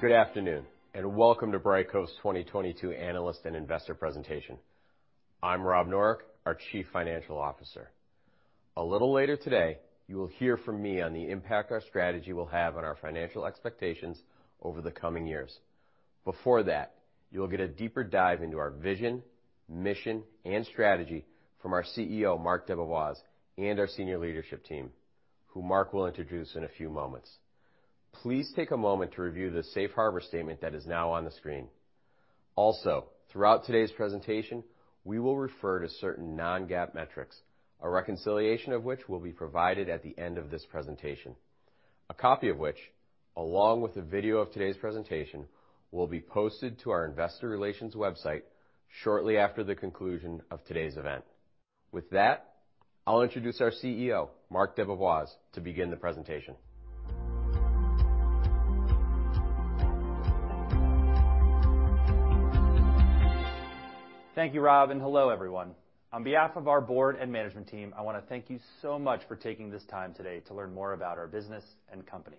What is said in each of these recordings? Good afternoon, and welcome to Brightcove's 2022 Analyst and Investor Presentation. I'm Rob Noreck, our Chief Financial Officer. A little later today, you will hear from me on the impact our strategy will have on our financial expectations over the coming years. Before that, you'll get a deeper dive into our vision, mission, and strategy from our CEO, Marc DeBevoise, and our senior leadership team, who Marc will introduce in a few moments. Please take a moment to review the safe harbor statement that is now on the screen. Also, throughout today's presentation, we will refer to certain non-GAAP metrics, a reconciliation of which will be provided at the end of this presentation. A copy of which, along with a video of today's presentation, will be posted to our investor relations website shortly after the conclusion of today's event. With that, I'll introduce our CEO, Marc DeBevoise, to begin the presentation. Thank you, Rob, and hello, everyone. On behalf of our board and management team, I wanna thank you so much for taking this time today to learn more about our business and company.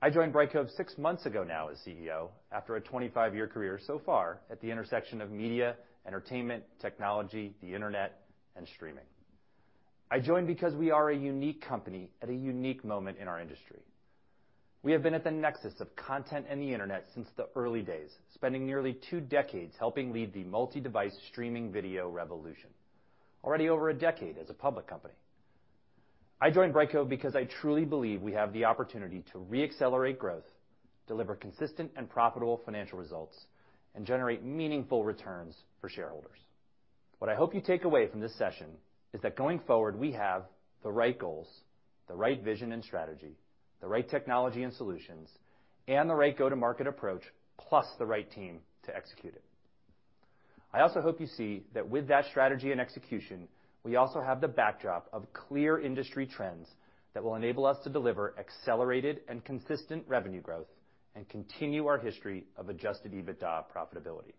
I joined Brightcove six months ago now as CEO after a 25-year career so far at the intersection of media, entertainment, technology, the Internet, and streaming. I joined because we are a unique company at a unique moment in our industry. We have been at the nexus of content and the Internet since the early days, spending nearly two decades helping lead the multi-device streaming video revolution. Already over a decade as a public company. I joined Brightcove because I truly believe we have the opportunity to reaccelerate growth, deliver consistent and profitable financial results, and generate meaningful returns for shareholders. What I hope you take away from this session is that going forward, we have the right goals, the right vision and strategy, the right technology and solutions, and the right go-to-market approach, plus the right team to execute it. I also hope you see that with that strategy and execution, we also have the backdrop of clear industry trends that will enable us to deliver accelerated and consistent revenue growth and continue our history of adjusted EBITDA profitability.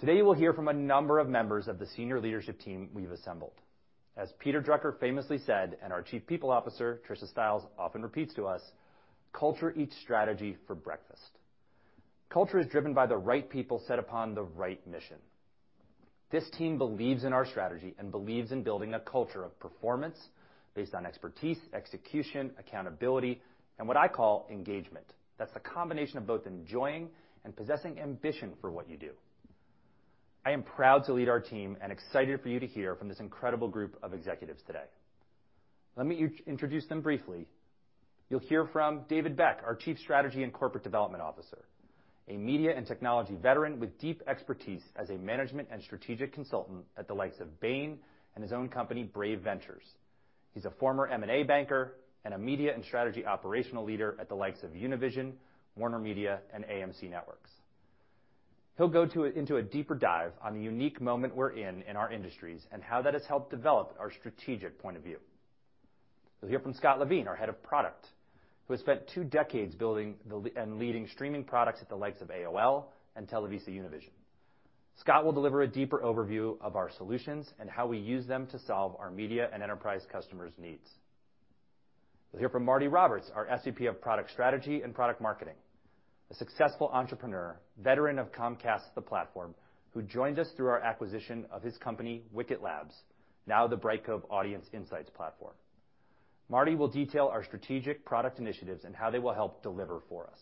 Today, you will hear from a number of members of the senior leadership team we've assembled. As Peter Drucker famously said, and our Chief People Officer, Trisha Stiles, often repeats to us, "Culture eats strategy for breakfast." Culture is driven by the right people set upon the right mission. This team believes in our strategy and believes in building a culture of performance based on expertise, execution, accountability, and what I call engagement. That's the combination of both enjoying and possessing ambition for what you do. I am proud to lead our team and excited for you to hear from this incredible group of executives today. Let me introduce them briefly. You'll hear from David Beck, our Chief Strategy and Corporate Development Officer, a media and technology veteran with deep expertise as a management and strategic consultant at the likes of Bain and his own company, Brave Ventures. He's a former M&A banker and a media and strategy operational leader at the likes of Univision, WarnerMedia, and AMC Networks. He'll go into a deeper dive on the unique moment we're in in our industries and how that has helped develop our strategic point of view. You'll hear from Scott Levine, our Head of Product, who has spent two decades building and leading streaming products at the likes of AOL and TelevisaUnivision. Scott will deliver a deeper overview of our solutions and how we use them to solve our media and enterprise customers' needs. You'll hear from Marty Roberts, our SVP of Product Strategy and Product Marketing, a successful entrepreneur, veteran of Comcast, thePlatform, who joined us through our acquisition of his company, Wicket Labs, now the Brightcove Audience Insights platform. Marty will detail our strategic product initiatives and how they will help deliver for us.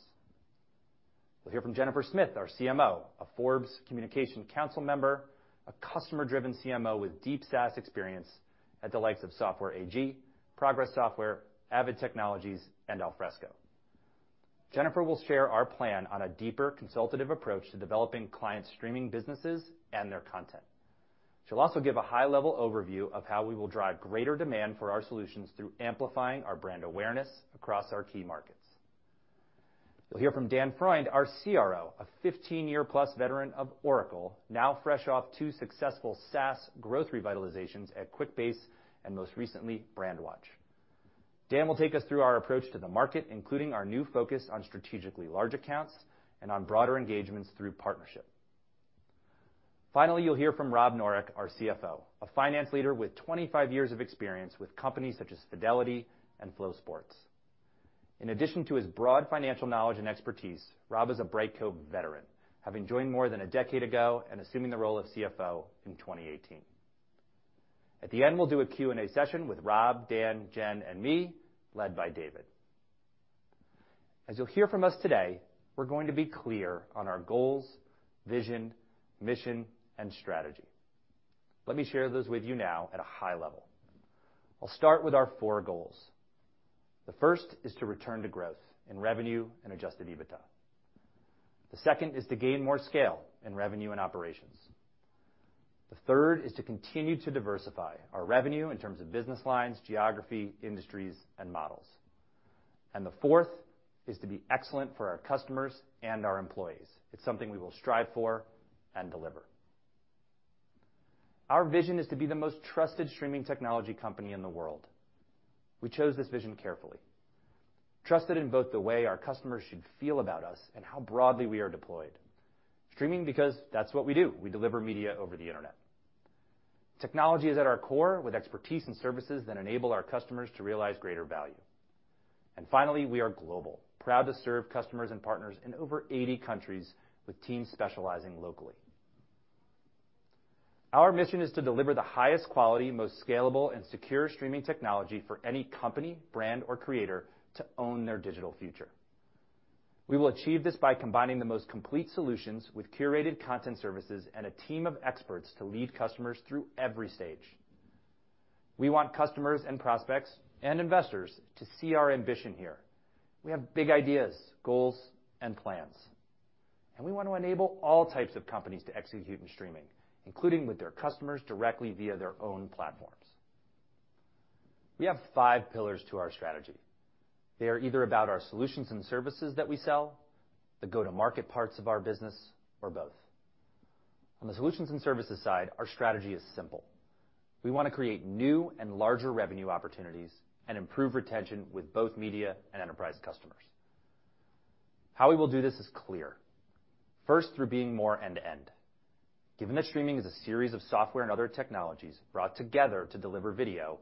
We'll hear from Jennifer Smith, our CMO, a Forbes Communications Council member, a customer-driven CMO with deep SaaS experience at the likes of Software AG, Progress Software, Avid Technology, and Alfresco. Jennifer will share our plan on a deeper consultative approach to developing client streaming businesses and their content. She'll also give a high-level overview of how we will drive greater demand for our solutions through amplifying our brand awareness across our key markets. You'll hear from Dan Freund, our CRO, a 15-year-plus veteran of Oracle, now fresh off two successful SaaS growth revitalizations at Quickbase, and most recently, Brandwatch. Dan will take us through our approach to the market, including our new focus on strategically large accounts and on broader engagements through partnership. Finally, you'll hear from Rob Noreck, our CFO, a finance leader with 25 years of experience with companies such as Fidelity and FloSports. In addition to his broad financial knowledge and expertise, Rob is a Brightcove veteran, having joined more than a decade ago and assuming the role of CFO in 2018. At the end, we'll do a Q&A session with Rob, Dan, Jen, and me, led by David. As you'll hear from us today, we're going to be clear on our goals, vision, mission, and strategy. Let me share those with you now at a high level. I'll start with our four goals. The first is to return to growth in revenue and adjusted EBITDA. The second is to gain more scale in revenue and operations. The third is to continue to diversify our revenue in terms of business lines, geography, industries, and models. The fourth is to be excellent for our customers and our employees. It's something we will strive for and deliver. Our vision is to be the most trusted streaming technology company in the world. We chose this vision carefully. Trusted in both the way our customers should feel about us and how broadly we are deployed. Streaming because that's what we do. We deliver media over the Internet. Technology is at our core, with expertise and services that enable our customers to realize greater value. Finally, we are global. Proud to serve customers and partners in over 80 countries with teams specializing locally. Our mission is to deliver the highest quality, most scalable and secure streaming technology for any company, brand, or creator to own their digital future. We will achieve this by combining the most complete solutions with curated content services and a team of experts to lead customers through every stage. We want customers and prospects and investors to see our ambition here. We have big ideas, goals, and plans. We want to enable all types of companies to execute in streaming, including with their customers directly via their own platforms. We have five pillars to our strategy. They are either about our solutions and services that we sell, the go-to-market parts of our business, or both. On the solutions and services side, our strategy is simple. We wanna create new and larger revenue opportunities and improve retention with both media and enterprise customers. How we will do this is clear. First, through being more end-to-end. Given that streaming is a series of software and other technologies brought together to deliver video,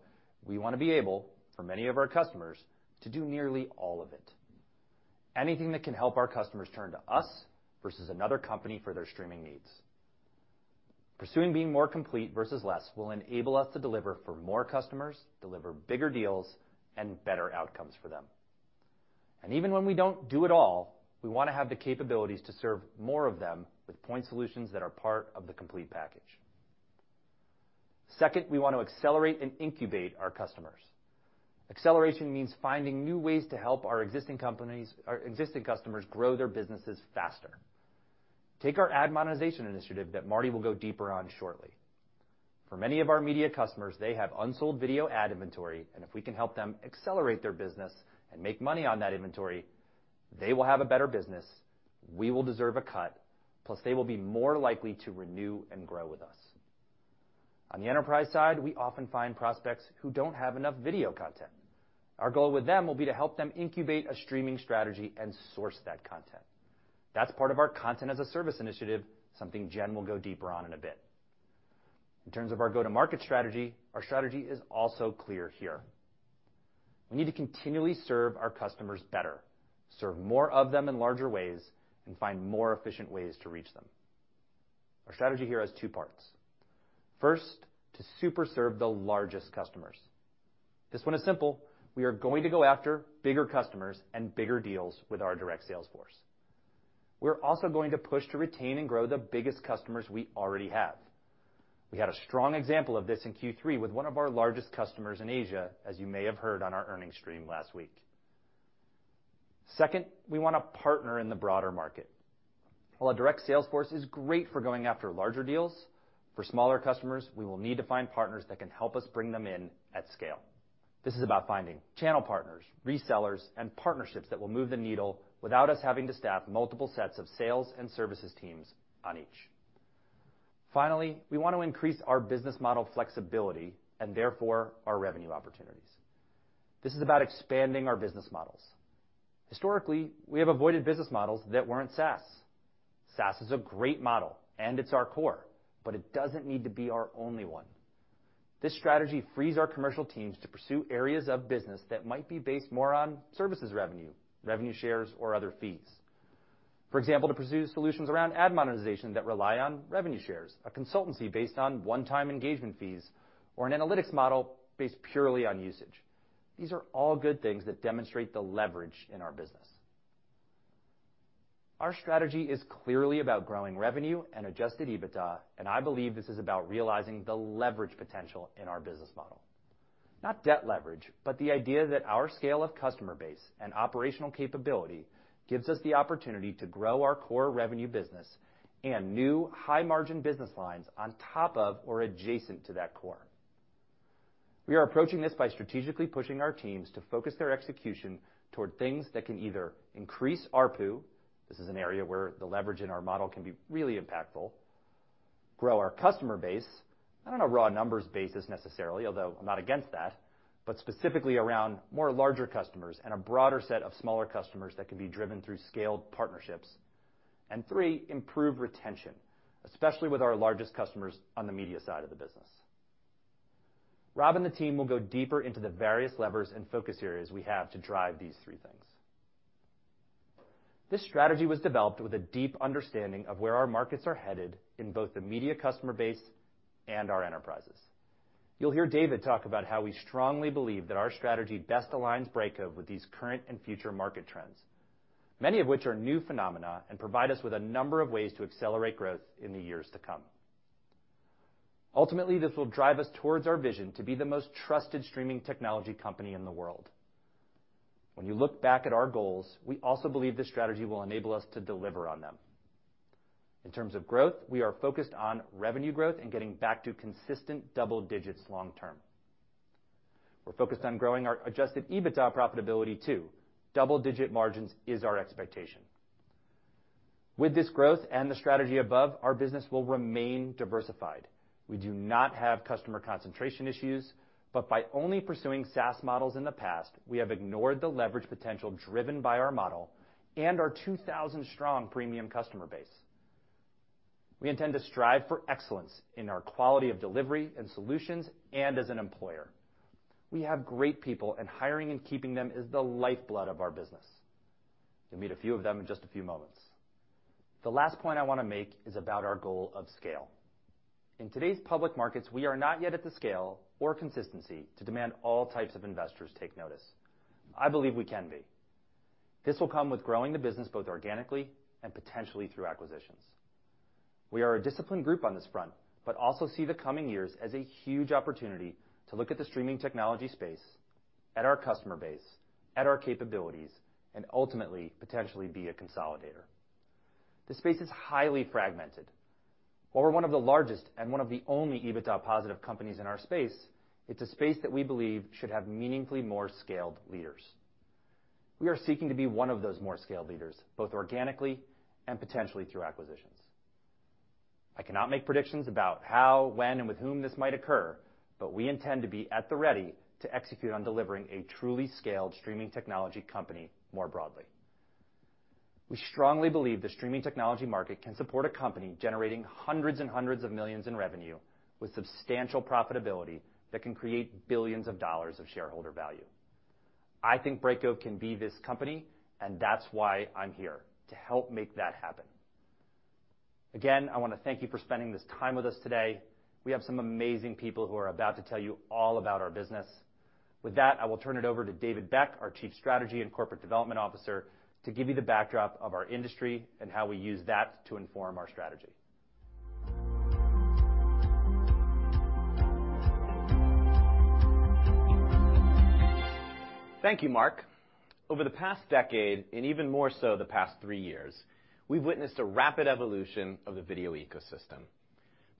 we wanna be able, for many of our customers, to do nearly all of it. Anything that can help our customers turn to us versus another company for their streaming needs. Pursuing being more complete versus less will enable us to deliver for more customers, deliver bigger deals, and better outcomes for them. Even when we don't do it all, we wanna have the capabilities to serve more of them with point solutions that are part of the complete package. Second, we want to accelerate and incubate our customers. Acceleration means finding new ways to help our existing customers grow their businesses faster. Take our ad monetization initiative that Marty will go deeper on shortly. For many of our media customers, they have unsold video ad inventory, and if we can help them accelerate their business and make money on that inventory, they will have a better business, we will deserve a cut, plus they will be more likely to renew and grow with us. On the enterprise side, we often find prospects who don't have enough video content. Our goal with them will be to help them incubate a streaming strategy and source that content. That's part of our content as a service initiative, something Jen will go deeper on in a bit. In terms of our go-to-market strategy, our strategy is also clear here. We need to continually serve our customers better, serve more of them in larger ways, and find more efficient ways to reach them. Our strategy here has two parts. First, to super serve the largest customers. This one is simple. We are going to go after bigger customers and bigger deals with our direct sales force. We're also going to push to retain and grow the biggest customers we already have. We had a strong example of this in Q3 with one of our largest customers in Asia, as you may have heard on our earnings stream last week. Second, we wanna partner in the broader market. While a direct sales force is great for going after larger deals, for smaller customers, we will need to find partners that can help us bring them in at scale. This is about finding channel partners, resellers, and partnerships that will move the needle without us having to staff multiple sets of sales and services teams on each. Finally, we want to increase our business model flexibility and therefore, our revenue opportunities. This is about expanding our business models. Historically, we have avoided business models that weren't SaaS. SaaS is a great model, and it's our core, but it doesn't need to be our only one. This strategy frees our commercial teams to pursue areas of business that might be based more on services revenue shares, or other fees. For example, to pursue solutions around ad monetization that rely on revenue shares, a consultancy based on one-time engagement fees, or an analytics model based purely on usage. These are all good things that demonstrate the leverage in our business. Our strategy is clearly about growing revenue and adjusted EBITDA, and I believe this is about realizing the leverage potential in our business model. Not debt leverage, but the idea that our scale of customer base and operational capability gives us the opportunity to grow our core revenue business and new high-margin business lines on top of or adjacent to that core. We are approaching this by strategically pushing our teams to focus their execution toward things that can either increase ARPU, this is an area where the leverage in our model can be really impactful, grow our customer base, not on a raw numbers basis necessarily, although I'm not against that, but specifically around more larger customers and a broader set of smaller customers that can be driven through scaled partnerships. Three, improve retention, especially with our largest customers on the media side of the business. Rob and the team will go deeper into the various levers and focus areas we have to drive these three things. This strategy was developed with a deep understanding of where our markets are headed in both the media customer base and our enterprises. You'll hear David talk about how we strongly believe that our strategy best aligns Brightcove with these current and future market trends, many of which are new phenomena and provide us with a number of ways to accelerate growth in the years to come. Ultimately, this will drive us towards our vision to be the most trusted streaming technology company in the world. When you look back at our goals, we also believe this strategy will enable us to deliver on them. In terms of growth, we are focused on revenue growth and getting back to consistent double digits long term. We're focused on growing our adjusted EBITDA profitability too. Double-digit margins is our expectation. With this growth and the strategy above, our business will remain diversified. We do not have customer concentration issues, but by only pursuing SaaS models in the past, we have ignored the leverage potential driven by our model and our 2,000 strong premium customer base. We intend to strive for excellence in our quality of delivery and solutions and as an employer. We have great people, and hiring and keeping them is the lifeblood of our business. You'll meet a few of them in just a few moments. The last point I wanna make is about our goal of scale. In today's public markets, we are not yet at the scale or consistency to demand all types of investors take notice. I believe we can be. This will come with growing the business both organically and potentially through acquisitions. We are a disciplined group on this front, but also see the coming years as a huge opportunity to look at the streaming technology space, at our customer base, at our capabilities, and ultimately, potentially be a consolidator. The space is highly fragmented. While we're one of the largest and one of the only EBITDA positive companies in our space, it's a space that we believe should have meaningfully more scaled leaders. We are seeking to be one of those more scaled leaders, both organically and potentially through acquisitions. I cannot make predictions about how, when, and with whom this might occur, but we intend to be at the ready to execute on delivering a truly scaled streaming technology company more broadly. We strongly believe the streaming technology market can support a company generating hundreds and hundreds of millions in revenue with substantial profitability that can create billions of dollars of shareholder value. I think Brightcove can be this company, and that's why I'm here, to help make that happen. Again, I wanna thank you for spending this time with us today. We have some amazing people who are about to tell you all about our business. With that, I will turn it over to David Beck, our Chief Strategy and Corporate Development Officer, to give you the backdrop of our industry and how we use that to inform our strategy. Thank you, Marc. Over the past decade, and even more so the past three years, we've witnessed a rapid evolution of the video ecosystem.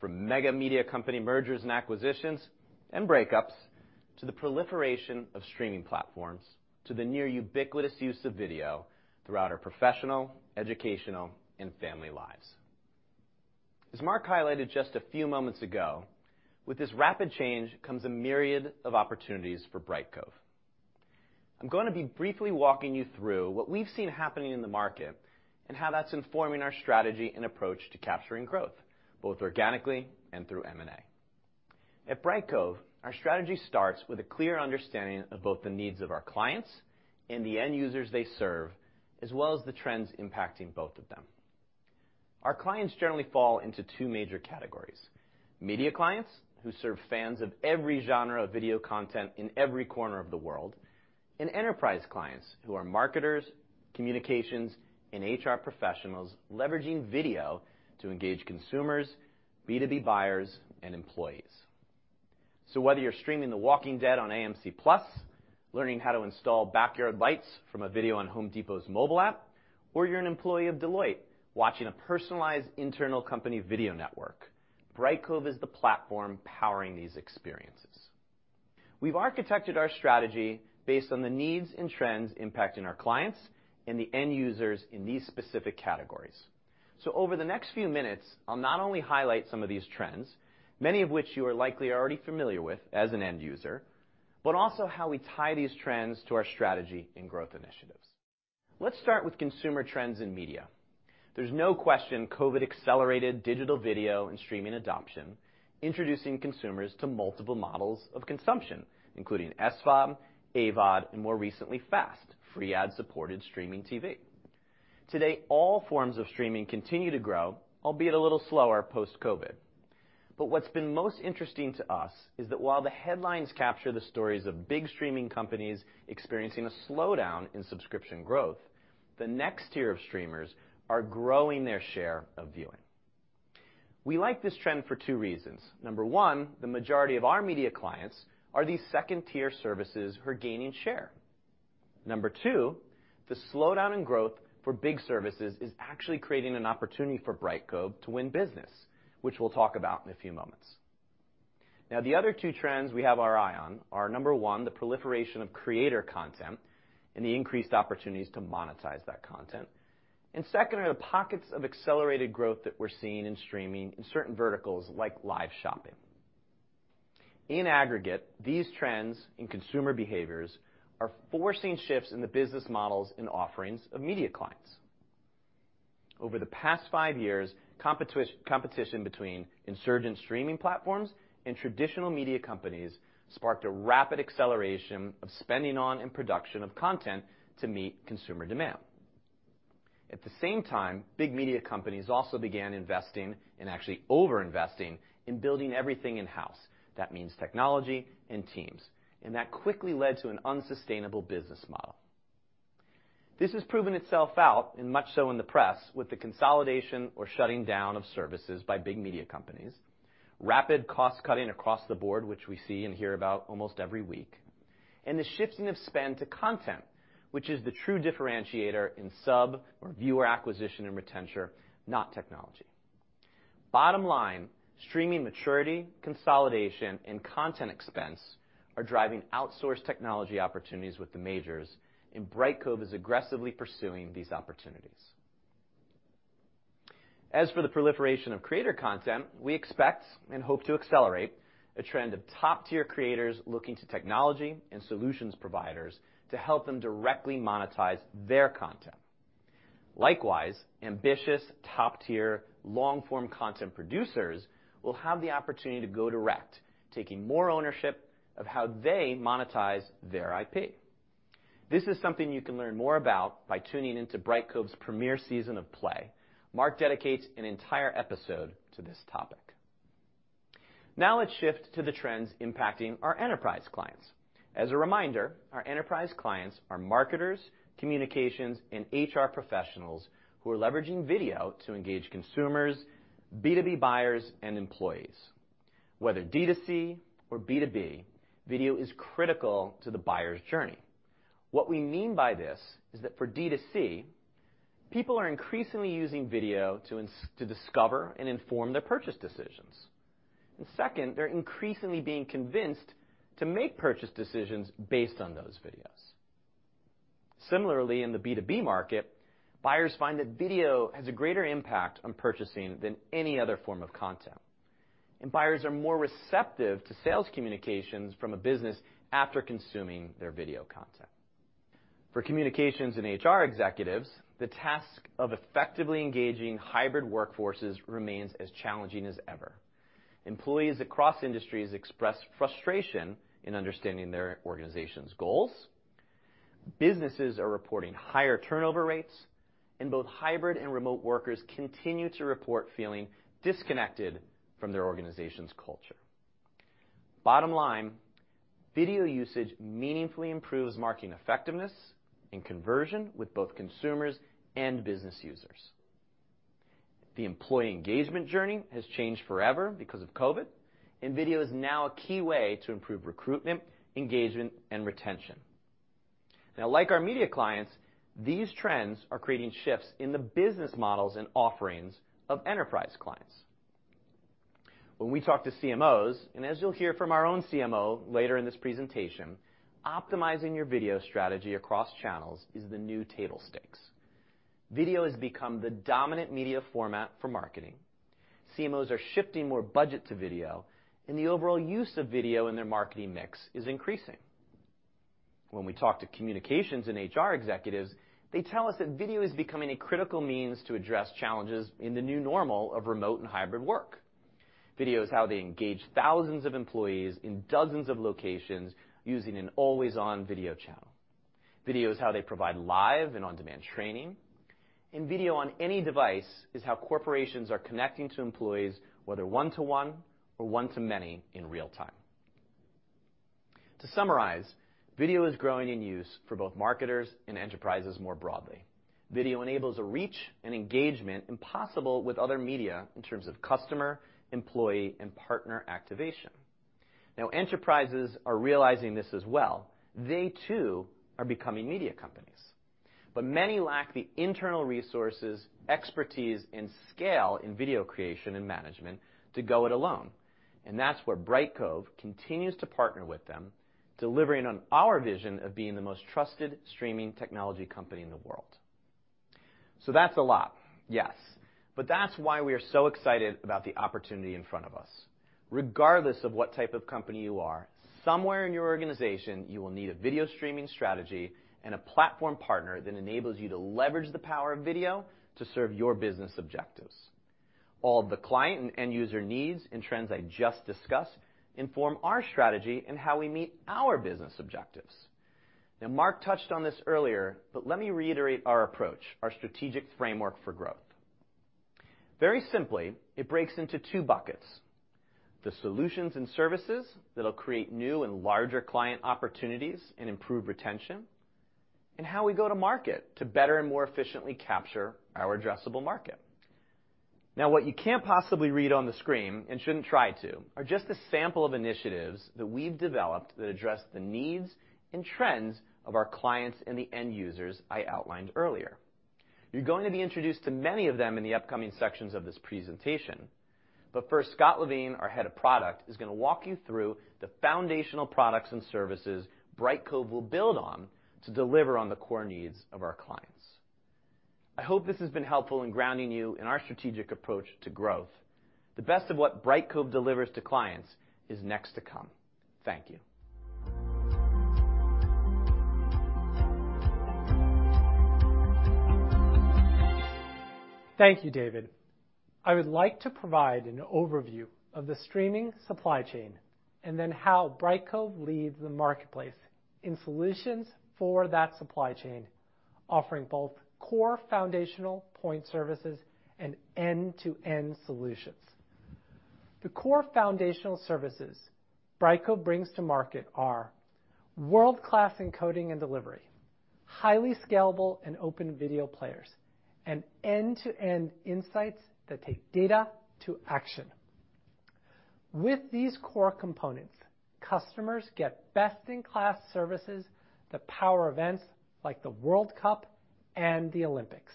From mega media company mergers and acquisitions and breakups, to the proliferation of streaming platforms, to the near ubiquitous use of video throughout our professional, educational, and family lives. As Marc highlighted just a few moments ago, with this rapid change comes a myriad of opportunities for Brightcove. I'm gonna be briefly walking you through what we've seen happening in the market and how that's informing our strategy and approach to capturing growth, both organically and through M&A. At Brightcove, our strategy starts with a clear understanding of both the needs of our clients and the end users they serve, as well as the trends impacting both of them. Our clients generally fall into two major categories. Media clients, who serve fans of every genre of video content in every corner of the world. Enterprise clients, who are marketers, communications, and HR professionals leveraging video to engage consumers, B2B buyers, and employees. Whether you're streaming The Walking Dead on AMC+, learning how to install backyard lights from a video on The Home Depot's mobile app, or you're an employee of Deloitte watching a personalized internal company video network, Brightcove is the platform powering these experiences. We've architected our strategy based on the needs and trends impacting our clients and the end users in these specific categories. Over the next few minutes, I'll not only highlight some of these trends, many of which you are likely already familiar with as an end user, but also how we tie these trends to our strategy and growth initiatives. Let's start with consumer trends in media. There's no question COVID accelerated digital video and streaming adoption, introducing consumers to multiple models of consumption, including SVOD, AVOD, and more recently, FAST, free ad supported streaming TV. Today, all forms of streaming continue to grow, albeit a little slower post-COVID. What's been most interesting to us is that while the headlines capture the stories of big streaming companies experiencing a slowdown in subscription growth, the next tier of streamers are growing their share of viewing. We like this trend for two reasons. Number one, the majority of our media clients are these second-tier services who are gaining share. Number two, the slowdown in growth for big services is actually creating an opportunity for Brightcove to win business, which we'll talk about in a few moments. Now, the other two trends we have our eye on are, number one, the proliferation of creator content and the increased opportunities to monetize that content. Second are the pockets of accelerated growth that we're seeing in streaming in certain verticals like live shopping. In aggregate, these trends in consumer behaviors are forcing shifts in the business models and offerings of media clients. Over the past five years, competition between insurgent streaming platforms and traditional media companies sparked a rapid acceleration of spending on and production of content to meet consumer demand. At the same time, big media companies also began investing, and actually over-investing, in building everything in-house. That means technology and teams, and that quickly led to an unsustainable business model. This has proven itself out, and much so in the press, with the consolidation or shutting down of services by big media companies, rapid cost-cutting across the board, which we see and hear about almost every week, and the shifting of spend to content, which is the true differentiator in sub or viewer acquisition and retention, not technology. Bottom line, streaming maturity, consolidation, and content expense are driving outsourced technology opportunities with the majors, and Brightcove is aggressively pursuing these opportunities. As for the proliferation of creator content, we expect and hope to accelerate a trend of top-tier creators looking to technology and solutions providers to help them directly monetize their content. Likewise, ambitious, top-tier, long-form content producers will have the opportunity to go direct, taking more ownership of how they monetize their IP. This is something you can learn more about by tuning into Brightcove's premier season of Play. Marc dedicates an entire episode to this topic. Now let's shift to the trends impacting our enterprise clients. As a reminder, our enterprise clients are marketers, communications, and HR professionals who are leveraging video to engage consumers, B2B buyers, and employees. Whether D2C or B2B, video is critical to the buyer's journey. What we mean by this is that for D2C, people are increasingly using video to discover and inform their purchase decisions. Second, they're increasingly being convinced to make purchase decisions based on those videos. Similarly, in the B2B market, buyers find that video has a greater impact on purchasing than any other form of content. Buyers are more receptive to sales communications from a business after consuming their video content. For communications and HR executives, the task of effectively engaging hybrid workforces remains as challenging as ever. Employees across industries express frustration in understanding their organization's goals, businesses are reporting higher turnover rates, and both hybrid and remote workers continue to report feeling disconnected from their organization's culture. Bottom line, video usage meaningfully improves marketing effectiveness and conversion with both consumers and business users. The employee engagement journey has changed forever because of COVID, and video is now a key way to improve recruitment, engagement, and retention. Now, like our media clients, these trends are creating shifts in the business models and offerings of enterprise clients. When we talk to CMOs, and as you'll hear from our own CMO later in this presentation, optimizing your video strategy across channels is the new table stakes. Video has become the dominant media format for marketing. CMOs are shifting more budget to video, and the overall use of video in their marketing mix is increasing. When we talk to communications and HR executives, they tell us that video is becoming a critical means to address challenges in the new normal of remote and hybrid work. Video is how they engage thousands of employees in dozens of locations using an always-on video channel. Video is how they provide live and on-demand training. Video on any device is how corporations are connecting to employees, whether one-to-one or one-to-many in real time. To summarize, video is growing in use for both marketers and enterprises more broadly. Video enables a reach and engagement impossible with other media in terms of customer, employee, and partner activation. Now enterprises are realizing this as well. They, too, are becoming media companies. Many lack the internal resources, expertise, and scale in video creation and management to go it alone. That's where Brightcove continues to partner with them, delivering on our vision of being the most trusted streaming technology company in the world. That's a lot, yes. That's why we are so excited about the opportunity in front of us. Regardless of what type of company you are, somewhere in your organization, you will need a video streaming strategy and a platform partner that enables you to leverage the power of video to serve your business objectives. All the client and end user needs and trends I just discussed inform our strategy in how we meet our business objectives. Now, Marc touched on this earlier, but let me reiterate our approach, our strategic framework for growth. Very simply, it breaks into two buckets, the solutions and services that'll create new and larger client opportunities and improve retention, and how we go to market to better and more efficiently capture our addressable market. Now, what you can't possibly read on the screen and shouldn't try to are just a sample of initiatives that we've developed that address the needs and trends of our clients and the end users I outlined earlier. You're going to be introduced to many of them in the upcoming sections of this presentation. First, Scott Levine, our Head of Product, is gonna walk you through the foundational products and services Brightcove will build on to deliver on the core needs of our clients. I hope this has been helpful in grounding you in our strategic approach to growth. The best of what Brightcove delivers to clients is next to come. Thank you. Thank you, David. I would like to provide an overview of the streaming supply chain and then how Brightcove leads the marketplace in solutions for that supply chain, offering both core foundational point services and end-to-end solutions. The core foundational services Brightcove brings to market are world-class encoding and delivery, highly scalable and open video players, and end-to-end insights that take data to action. With these core components, customers get best-in-class services that power events like the World Cup and the Olympics.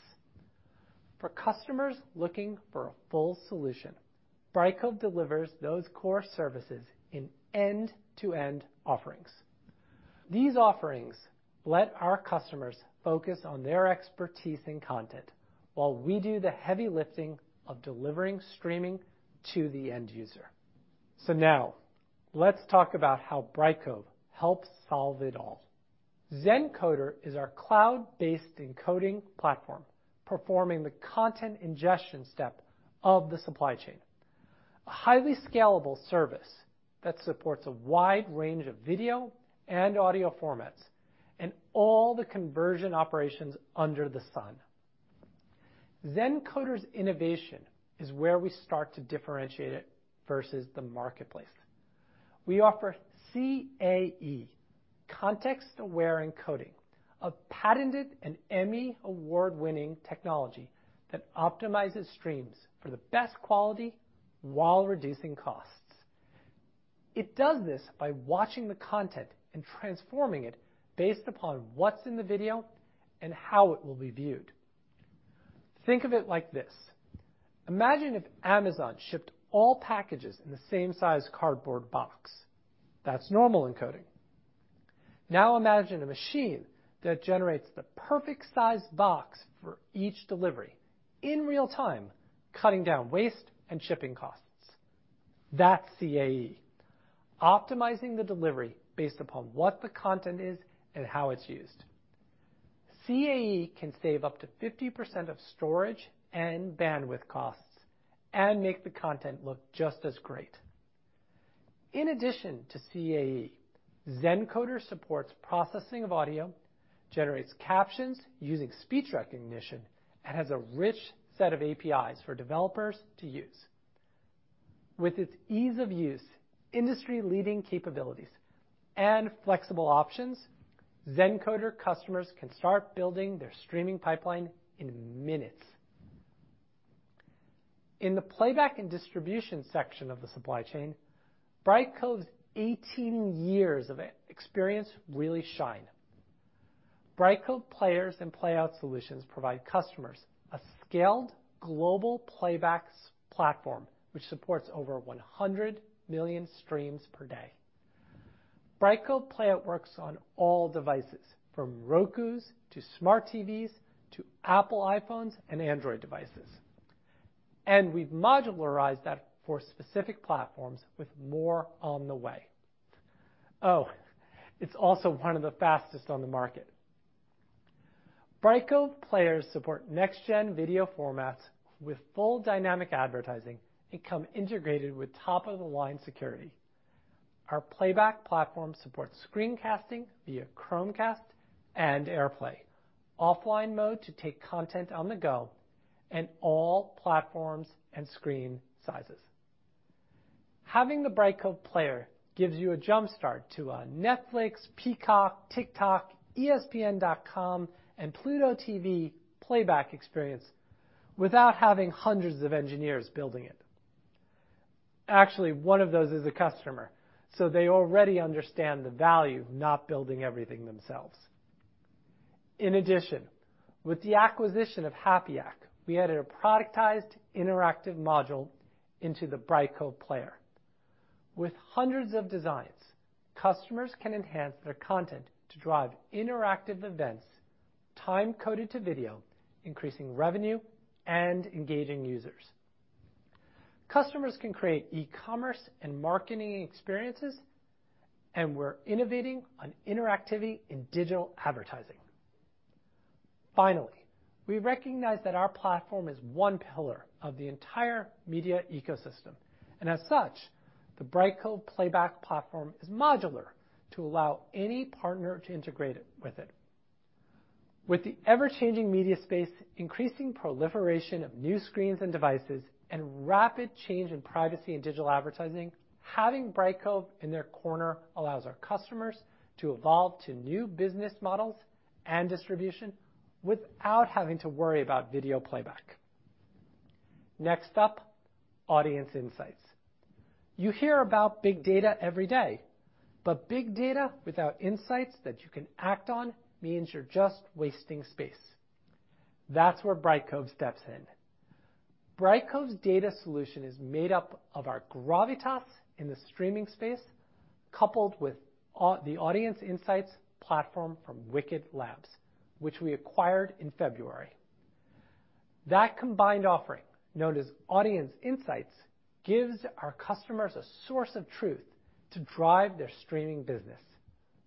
For customers looking for a full solution, Brightcove delivers those core services in end-to-end offerings. These offerings let our customers focus on their expertise and content while we do the heavy lifting of delivering streaming to the end user. Now let's talk about how Brightcove helps solve it all. Zencoder is our cloud-based encoding platform, performing the content ingestion step of the supply chain. A highly scalable service that supports a wide range of video and audio formats and all the conversion operations under the sun. Zencoder's innovation is where we start to differentiate it versus the marketplace. We offer CAE, context aware encoding, a patented and Emmy Award-winning technology that optimizes streams for the best quality while reducing costs. It does this by watching the content and transforming it based upon what's in the video and how it will be viewed. Think of it like this. Imagine if Amazon shipped all packages in the same size cardboard box. That's normal encoding. Now imagine a machine that generates the perfect size box for each delivery in real time, cutting down waste and shipping costs. That's CAE, optimizing the delivery based upon what the content is and how it's used. CAE can save up to 50% of storage and bandwidth costs and make the content look just as great. In addition to CAE, Zencoder supports processing of audio, generates captions using speech recognition, and has a rich set of APIs for developers to use. With its ease of use, industry-leading capabilities, and flexible options, Zencoder customers can start building their streaming pipeline in minutes. In the playback and distribution section of the supply chain, Brightcove's 18 years of experience really shine. Brightcove players and playout solutions provide customers a scaled global playbacks platform which supports over 100 million streams per day. Brightcove playout works on all devices from Rokus to smart TVs to Apple iPhones and Android devices. We've modularized that for specific platforms with more on the way. Oh, it's also one of the fastest on the market. Brightcove players support next-gen video formats with full dynamic advertising and come integrated with top-of-the-line security. Our playback platform supports screen casting via Chromecast and AirPlay, offline mode to take content on the go in all platforms and screen sizes. Having the Brightcove player gives you a jump-start to a Netflix, Peacock, TikTok, ESPN.com, and Pluto TV playback experience without having hundreds of engineers building it. Actually, one of those is a customer, so they already understand the value of not building everything themselves. In addition, with the acquisition of HapYak, we added a productized interactive module into the Brightcove player. With hundreds of designs, customers can enhance their content to drive interactive events, time-coded to video, increasing revenue and engaging users. Customers can create e-commerce and marketing experiences, and we're innovating on interactivity in digital advertising. Finally, we recognize that our platform is one pillar of the entire media ecosystem, and as such, the Brightcove playback platform is modular to allow any partner to integrate it with it. With the ever-changing media space, increasing proliferation of new screens and devices, and rapid change in privacy and digital advertising, having Brightcove in their corner allows our customers to evolve to new business models and distribution without having to worry about video playback. Next up, Audience Insights. You hear about big data every day, but big data without insights that you can act on means you're just wasting space. That's where Brightcove steps in. Brightcove's data solution is made up of our gravitas in the streaming space, coupled with the Audience Insights platform from Wicket Labs, which we acquired in February. That combined offering, known as Audience Insights, gives our customers a source of truth to drive their streaming business.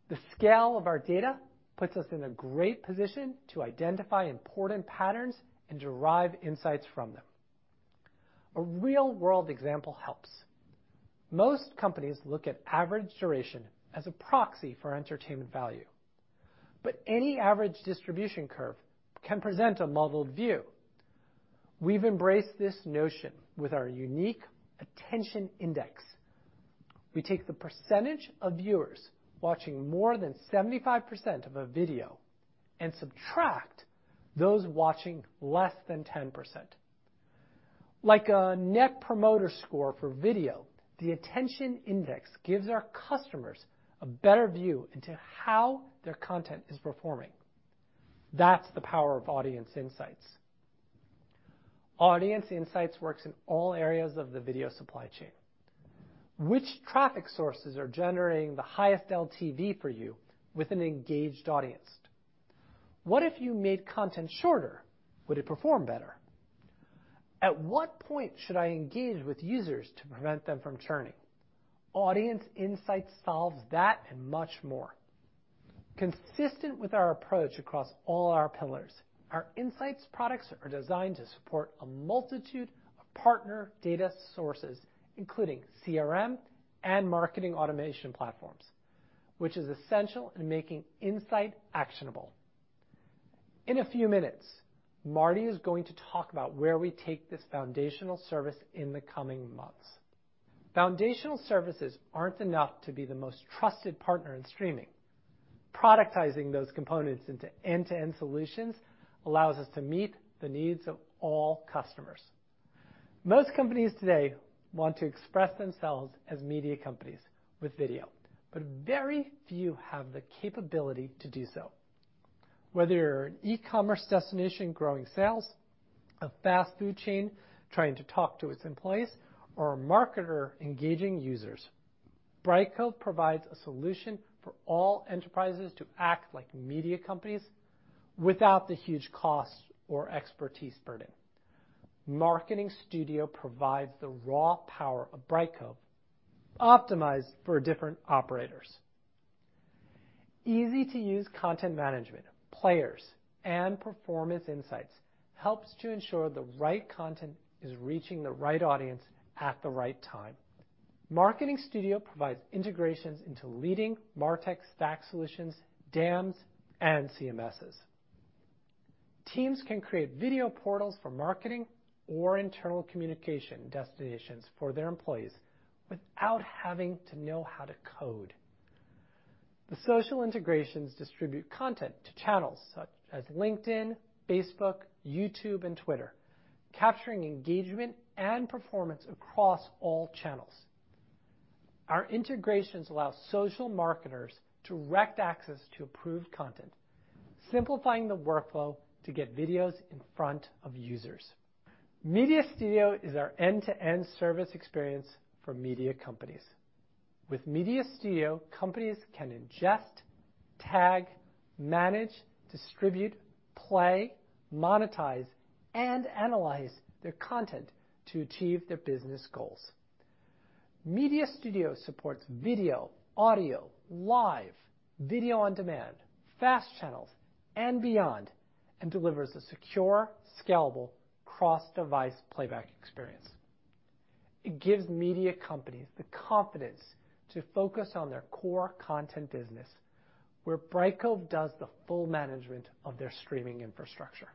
The scale of our data puts us in a great position to identify important patterns and derive insights from them. A real-world example helps. Most companies look at average duration as a proxy for entertainment value, but any average distribution curve can present a muddled view. We've embraced this notion with our unique Attention Index. We take the percentage of viewers watching more than 75% of a video and subtract those watching less than 10%. Like a Net Promoter Score for video, the Attention Index gives our customers a better view into how their content is performing. That's the power of Audience Insights. Audience Insights works in all areas of the video supply chain. Which traffic sources are generating the highest LTV for you with an engaged audience? What if you made content shorter? Would it perform better? At what point should I engage with users to prevent them from churning? Audience Insight solves that and much more. Consistent with our approach across all our pillars, our insights products are designed to support a multitude of partner data sources, including CRM and marketing automation platforms, which is essential in making insight actionable. In a few minutes, Marty is going to talk about where we take this foundational service in the coming months. Foundational services aren't enough to be the most trusted partner in streaming. Productizing those components into end-to-end solutions allows us to meet the needs of all customers. Most companies today want to express themselves as media companies with video, but very few have the capability to do so. Whether you're an e-commerce destination growing sales, a fast food chain trying to talk to its employees, or a marketer engaging users, Brightcove provides a solution for all enterprises to act like media companies without the huge cost or expertise burden. Marketing Studio provides the raw power of Brightcove optimized for different operators. Easy-to-use content management players and performance insights helps to ensure the right content is reaching the right audience at the right time. Marketing Studio provides integrations into leading MarTech stack solutions, DAMs, and CMSs. Teams can create video portals for marketing or internal communication destinations for their employees without having to know how to code. The social integrations distribute content to channels such as LinkedIn, Facebook, YouTube, and Twitter, capturing engagement and performance across all channels. Our integrations allow social marketers direct access to approved content, simplifying the workflow to get videos in front of users. Media Studio is our end-to-end service experience for media companies. With Media Studio, companies can ingest, tag, manage, distribute, play, monetize, and analyze their content to achieve their business goals. Media Studio supports video, audio, live video on demand, FAST channels and beyond, and delivers a secure, scalable, cross-device playback experience. It gives media companies the confidence to focus on their core content business, where Brightcove does the full management of their streaming infrastructure.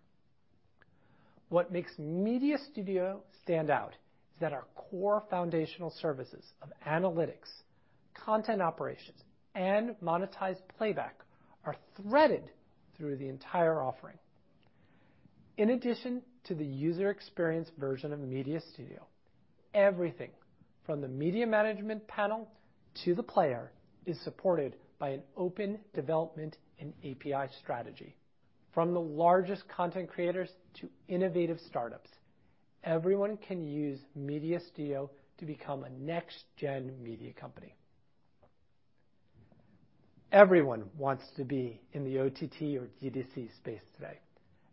What makes Media Studio stand out is that our core foundational services of analytics, content operations, and monetized playback are threaded through the entire offering. In addition to the user experience version of Media Studio, everything from the media management panel to the player is supported by an open development and API strategy. From the largest content creators to innovative startups, everyone can use Media Studio to become a next-gen media company. Everyone wants to be in the OTT or D2C space today,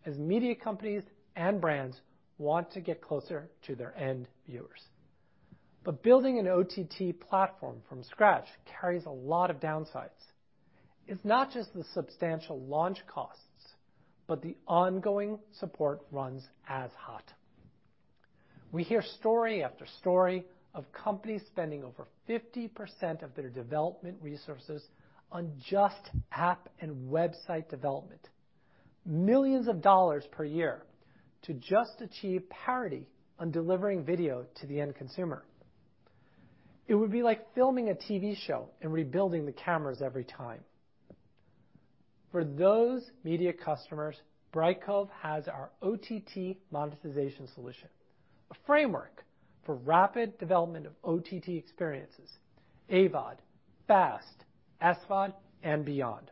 as media companies and brands want to get closer to their end viewers. Building an OTT platform from scratch carries a lot of downsides. It's not just the substantial launch costs, but the ongoing support runs as hot. We hear story after story of companies spending over 50% of their development resources on just app and website development, millions of dollars per year to just achieve parity on delivering video to the end consumer. It would be like filming a TV show and rebuilding the cameras every time. For those media customers, Brightcove has our OTT monetization solution, a framework for rapid development of OTT experiences, AVOD, FAST, SVOD, and beyond.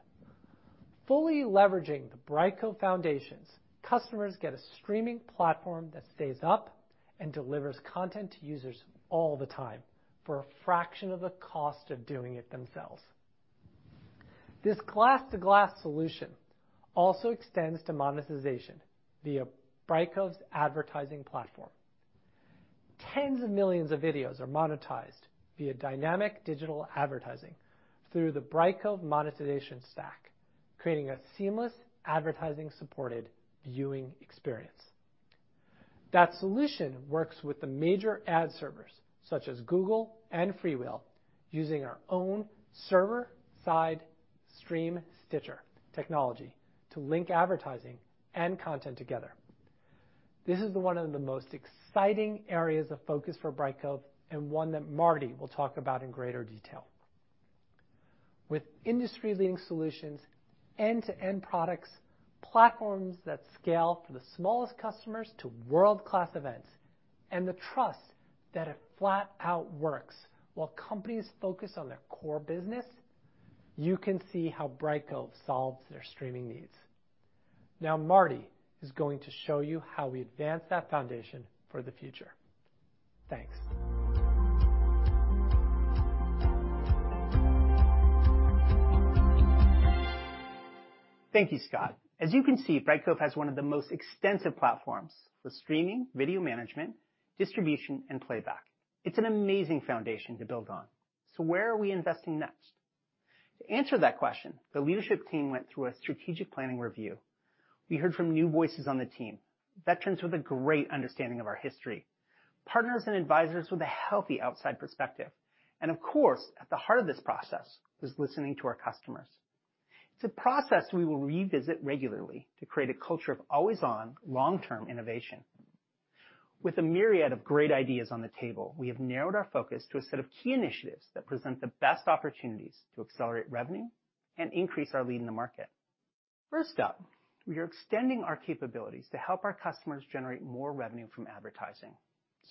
Fully leveraging the Brightcove foundations, customers get a streaming platform that stays up and delivers content to users all the time for a fraction of the cost of doing it themselves. This glass-to-glass solution also extends to monetization via Brightcove's advertising platform. Tens of millions of videos are monetized via dynamic digital advertising through the Brightcove monetization stack, creating a seamless advertising supported viewing experience. That solution works with the major ad servers such as Google and FreeWheel, using our own server-side stream stitcher technology to link advertising and content together. This is one of the most exciting areas of focus for Brightcove, and one that Marty will talk about in greater detail. With industry-leading solutions, end-to-end products, platforms that scale for the smallest customers to world-class events, and the trust that it flat out works while companies focus on their core business, you can see how Brightcove solves their streaming needs. Now Marty is going to show you how we advance that foundation for the future. Thanks. Thank you, Scott. As you can see, Brightcove has one of the most extensive platforms for streaming, video management, distribution, and playback. It's an amazing foundation to build on. Where are we investing next? To answer that question, the leadership team went through a strategic planning review. We heard from new voices on the team, veterans with a great understanding of our history, partners and advisors with a healthy outside perspective, and of course, at the heart of this process was listening to our customers. It's a process we will revisit regularly to create a culture of always-on long-term innovation. With a myriad of great ideas on the table, we have narrowed our focus to a set of key initiatives that present the best opportunities to accelerate revenue and increase our lead in the market. First up, we are extending our capabilities to help our customers generate more revenue from advertising.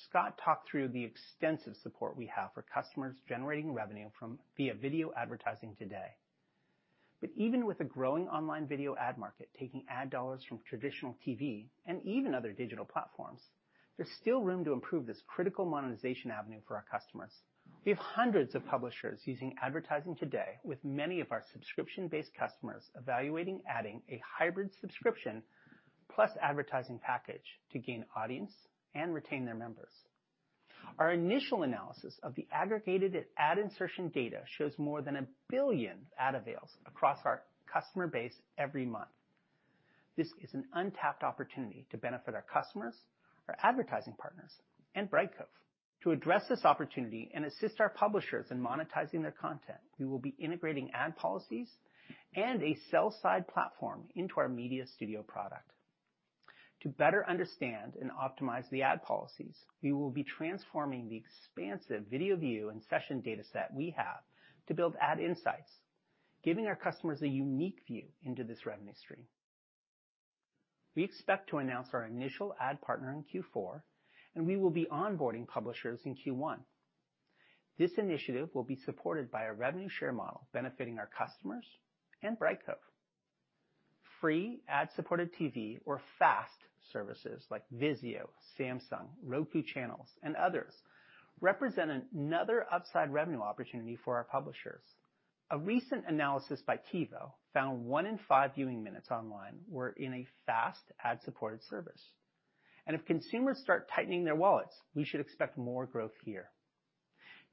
Scott talked through the extensive support we have for customers generating revenue from video advertising today. Even with the growing online video ad market taking ad dollars from traditional TV and even other digital platforms, there's still room to improve this critical monetization avenue for our customers. We have hundreds of publishers using advertising today, with many of our subscription-based customers evaluating adding a hybrid subscription plus advertising package to gain audience and retain their members. Our initial analysis of the aggregated ad insertion data shows more than 1 billion ad avails across our customer base every month. This is an untapped opportunity to benefit our customers, our advertising partners, and Brightcove. To address this opportunity and assist our publishers in monetizing their content, we will be integrating ad policies and a sell-side platform into our Media Studio product. To better understand and optimize the ad policies, we will be transforming the expansive video view and session data set we have to build ad insights, giving our customers a unique view into this revenue stream. We expect to announce our initial ad partner in Q4, and we will be onboarding publishers in Q1. This initiative will be supported by a revenue share model benefiting our customers and Brightcove. Free ad-supported TV or FAST services like Vizio, Samsung, Roku channels, and others represent another upside revenue opportunity for our publishers. A recent analysis by TiVo found one in five viewing minutes online were in a FAST ad-supported service. If consumers start tightening their wallets, we should expect more growth here.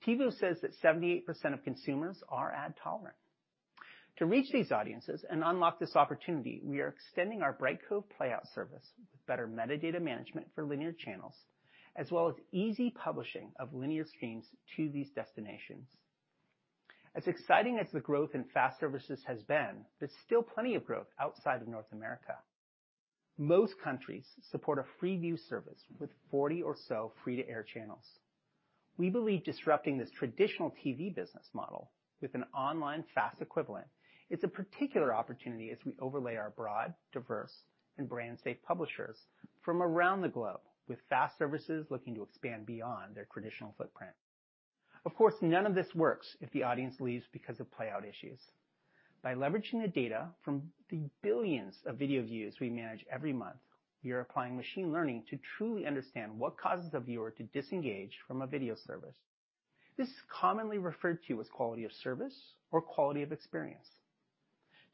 TiVo says that 78% of consumers are ad tolerant. To reach these audiences and unlock this opportunity, we are extending our Brightcove playout service with better metadata management for linear channels, as well as easy publishing of linear streams to these destinations. As exciting as the growth in FAST services has been, there's still plenty of growth outside of North America. Most countries support a free view service with 40 or so free-to-air channels. We believe disrupting this traditional TV business model with an online FAST equivalent is a particular opportunity as we overlay our broad, diverse, and brand safe publishers from around the globe with FAST services looking to expand beyond their traditional footprint. Of course, none of this works if the audience leaves because of playout issues. By leveraging the data from the billions of video views we manage every month, we are applying machine learning to truly understand what causes a viewer to disengage from a video service. This is commonly referred to as quality of service or quality of experience.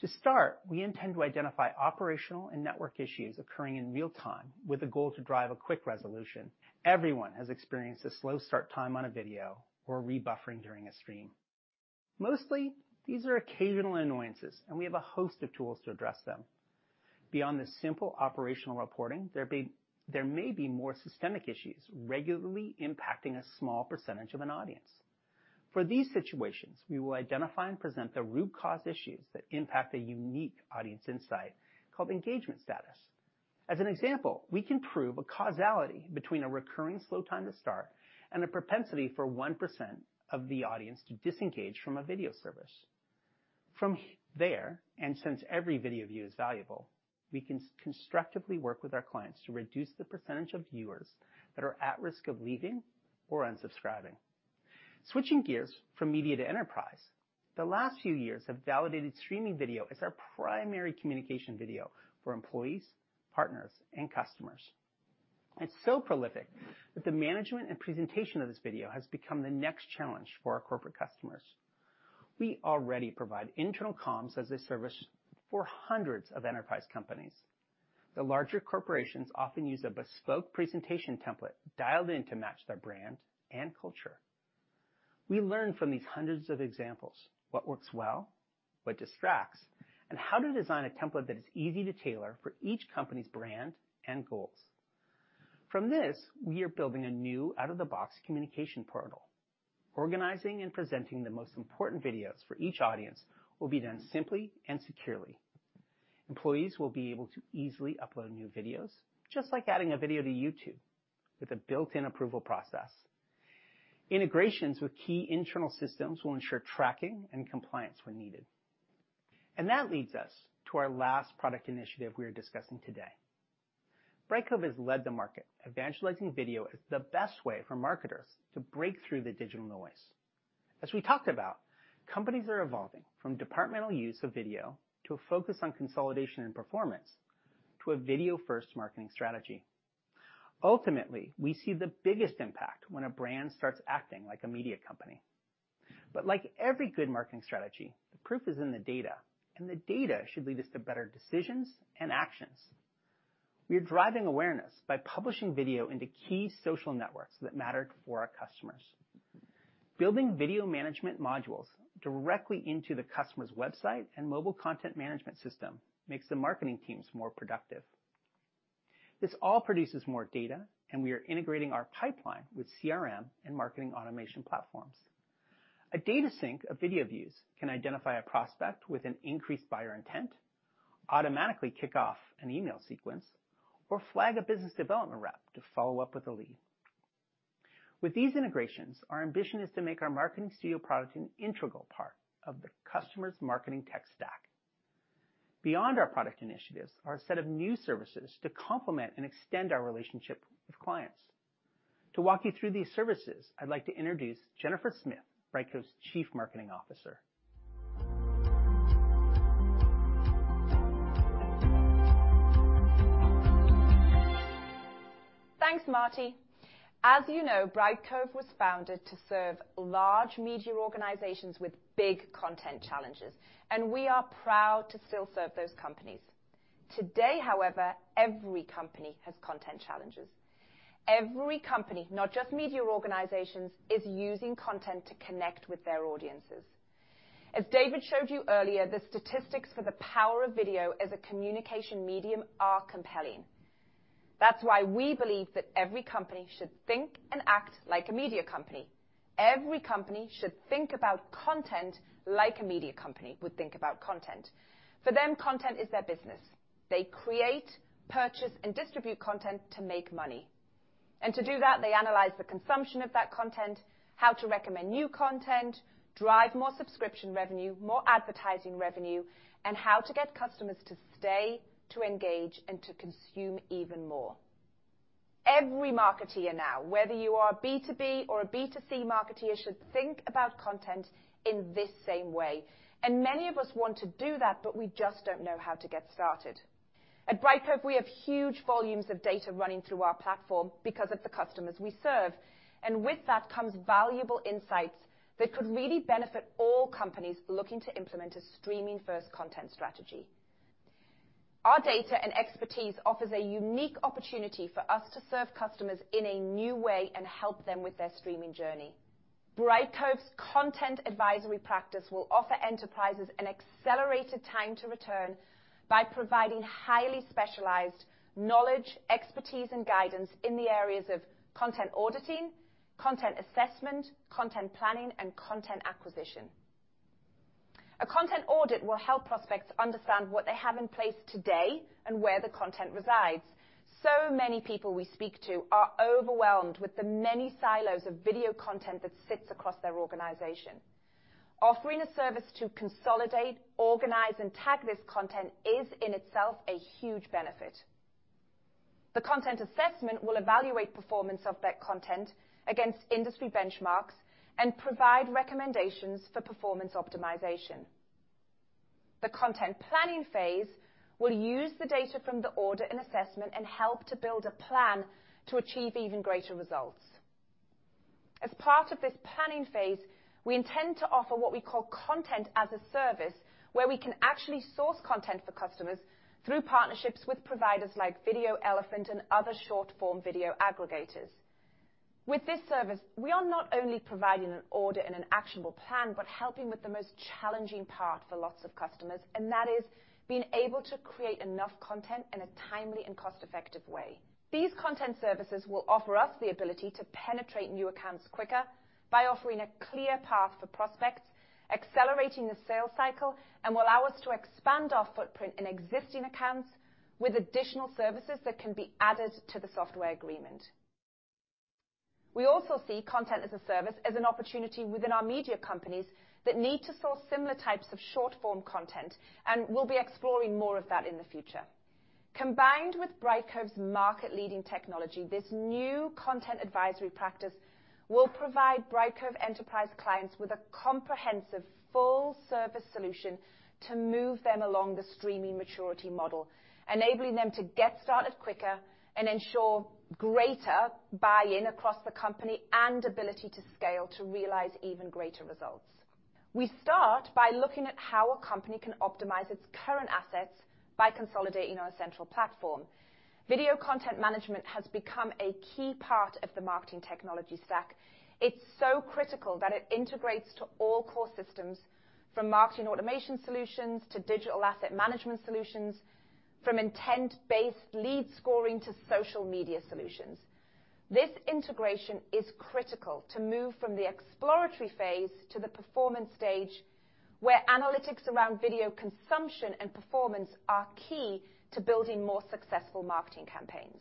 To start, we intend to identify operational and network issues occurring in real time with a goal to drive a quick resolution. Everyone has experienced a slow start time on a video or rebuffering during a stream. Mostly, these are occasional annoyances, and we have a host of tools to address them. Beyond the simple operational reporting, there may be more systemic issues regularly impacting a small percentage of an audience. For these situations, we will identify and present the root cause issues that impact a unique audience insight called engagement status. As an example, we can prove a causality between a recurring slow time to start and a propensity for 1% of the audience to disengage from a video service. From there, and since every video view is valuable, we can constructively work with our clients to reduce the percentage of viewers that are at risk of leaving or unsubscribing. Switching gears from media to enterprise, the last few years have validated streaming video as our primary communication video for employees, partners, and customers. It's so prolific that the management and presentation of this video has become the next challenge for our corporate customers. We already provide internal comms as a service for hundreds of enterprise companies. The larger corporations often use a bespoke presentation template dialed in to match their brand and culture. We learn from these hundreds of examples what works well, what distracts, and how to design a template that is easy to tailor for each company's brand and goals. From this, we are building a new out-of-the-box communication portal. Organizing and presenting the most important videos for each audience will be done simply and securely. Employees will be able to easily upload new videos just like adding a video to YouTube with a built-in approval process. Integrations with key internal systems will ensure tracking and compliance when needed. That leads us to our last product initiative we are discussing today. Brightcove has led the market evangelizing video as the best way for marketers to break through the digital noise. As we talked about, companies are evolving from departmental use of video to a focus on consolidation and performance to a video-first marketing strategy. Ultimately, we see the biggest impact when a brand starts acting like a media company. Like every good marketing strategy, the proof is in the data, and the data should lead us to better decisions and actions. We are driving awareness by publishing video into key social networks that matter for our customers. Building video management modules directly into the customer's website and mobile content management system makes the marketing teams more productive. This all produces more data, and we are integrating our pipeline with CRM and marketing automation platforms. A data sync of video views can identify a prospect with an increased buyer intent, automatically kick off an email sequence, or flag a business development rep to follow up with a lead. With these integrations, our ambition is to make our Marketing Studio product an integral part of the customer's marketing tech stack. Beyond our product initiatives are a set of new services to complement and extend our relationship with clients. To walk you through these services, I'd like to introduce Jennifer Smith, Brightcove's Chief Marketing Officer. Thanks, Marty. As you know, Brightcove was founded to serve large media organizations with big content challenges, and we are proud to still serve those companies. Today, however, every company has content challenges. Every company, not just media organizations, is using content to connect with their audiences. As David showed you earlier, the statistics for the power of video as a communication medium are compelling. That's why we believe that every company should think and act like a media company. Every company should think about content like a media company would think about content. For them, content is their business. They create, purchase, and distribute content to make money. To do that, they analyze the consumption of that content, how to recommend new content, drive more subscription revenue, more advertising revenue, and how to get customers to stay, to engage, and to consume even more. Every marketer now, whether you are B2B or a B2C marketer, should think about content in this same way. Many of us want to do that, but we just don't know how to get started. At Brightcove, we have huge volumes of data running through our platform because of the customers we serve, and with that comes valuable insights that could really benefit all companies looking to implement a streaming-first content strategy. Our data and expertise offers a unique opportunity for us to serve customers in a new way and help them with their streaming journey. Brightcove's content advisory practice will offer enterprises an accelerated time to return by providing highly specialized knowledge, expertise, and guidance in the areas of content auditing, content assessment, content planning, and content acquisition. A content audit will help prospects understand what they have in place today and where the content resides. Many people we speak to are overwhelmed with the many silos of video content that sits across their organization. Offering a service to consolidate, organize, and tag this content is in itself a huge benefit. The content assessment will evaluate performance of that content against industry benchmarks and provide recommendations for performance optimization. The content planning phase will use the data from the audit and assessment and help to build a plan to achieve even greater results. As part of this planning phase, we intend to offer what we call content-as-a-service, where we can actually source content for customers through partnerships with providers like VideoElephant and other short-form video aggregators. With this service, we are not only providing an audit and an actionable plan, but helping with the most challenging part for lots of customers, and that is being able to create enough content in a timely and cost-effective way. These content services will offer us the ability to penetrate new accounts quicker by offering a clear path for prospects, accelerating the sales cycle, and will allow us to expand our footprint in existing accounts with additional services that can be added to the software agreement. We also see content as a service as an opportunity within our media companies that need to source similar types of short-form content, and we'll be exploring more of that in the future. Combined with Brightcove's market leading technology, this new content advisory practice will provide Brightcove enterprise clients with a comprehensive full service solution to move them along the streaming maturity model, enabling them to get started quicker and ensure greater buy-in across the company and ability to scale to realize even greater results. We start by looking at how a company can optimize its current assets by consolidating on a central platform. Video content management has become a key part of the marketing technology stack. It's so critical that it integrates to all core systems, from marketing automation solutions to digital asset management solutions, from intent-based lead scoring to social media solutions. This integration is critical to move from the exploratory phase to the performance stage, where analytics around video consumption and performance are key to building more successful marketing campaigns.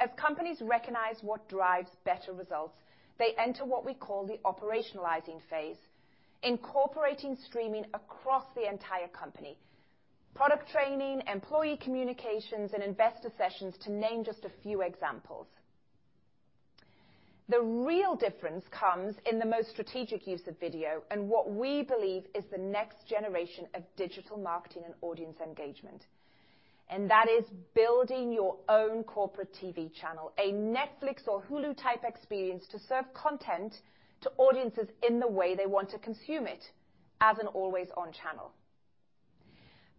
As companies recognize what drives better results, they enter what we call the operationalizing phase, incorporating streaming across the entire company, product training, employee communications, and investor sessions, to name just a few examples. The real difference comes in the most strategic use of video and what we believe is the next generation of digital marketing and audience engagement. That is building your own corporate TV channel, a Netflix or Hulu-type experience to serve content to audiences in the way they want to consume it, as an always-on channel.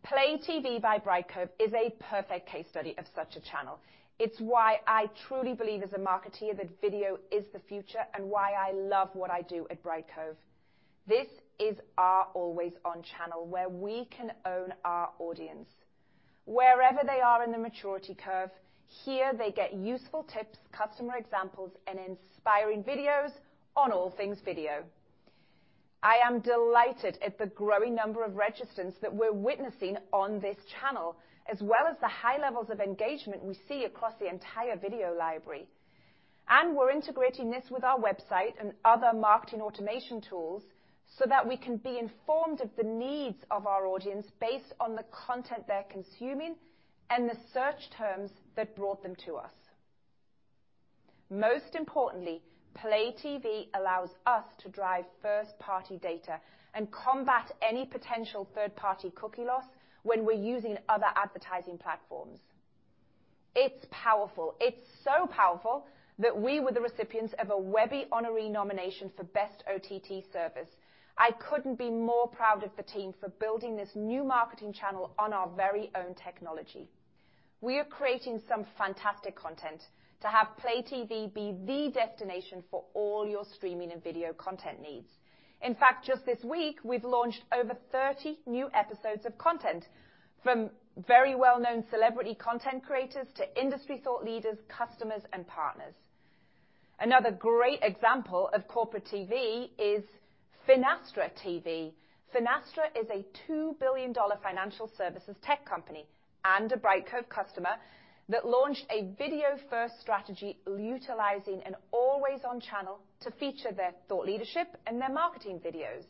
PLAY TV by Brightcove is a perfect case study of such a channel. It's why I truly believe as a marketer that video is the future, and why I love what I do at Brightcove. This is our always-on channel where we can own our audience. Wherever they are in the maturity curve, here they get useful tips, customer examples, and inspiring videos on all things video. I am delighted at the growing number of registrants that we're witnessing on this channel, as well as the high levels of engagement we see across the entire video library. We're integrating this with our website and other marketing automation tools so that we can be informed of the needs of our audience based on the content they're consuming and the search terms that brought them to us. Most importantly, PLAY TV allows us to drive first-party data and combat any potential third-party cookie loss when we're using other advertising platforms. It's powerful. It's so powerful that we were the recipients of a Webby honoree nomination for best OTT service. I couldn't be more proud of the team for building this new marketing channel on our very own technology. We are creating some fantastic content to have PLAY TV be the destination for all your streaming and video content needs. In fact, just this week, we've launched over 30 new episodes of content from very well-known celebrity content creators to industry thought leaders, customers, and partners. Another great example of corporate TV is Finastra.TV. Finastra is a $2 billion financial services tech company and a Brightcove customer that launched a video-first strategy utilizing an always-on channel to feature their thought leadership and their marketing videos.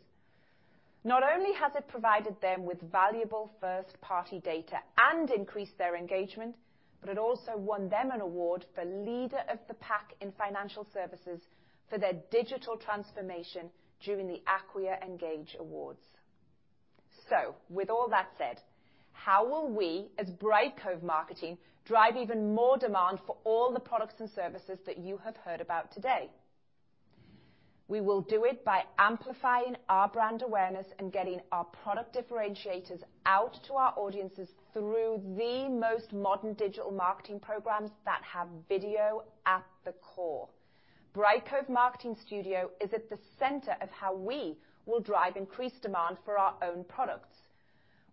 Not only has it provided them with valuable first-party data and increased their engagement, but it also won them an award for leader of the pack in financial services for their digital transformation during the Acquia Engage Awards. With all that said, how will we as Brightcove Marketing drive even more demand for all the products and services that you have heard about today? We will do it by amplifying our brand awareness and getting our product differentiators out to our audiences through the most modern digital marketing programs that have video at the core. Brightcove Marketing Studio is at the center of how we will drive increased demand for our own products.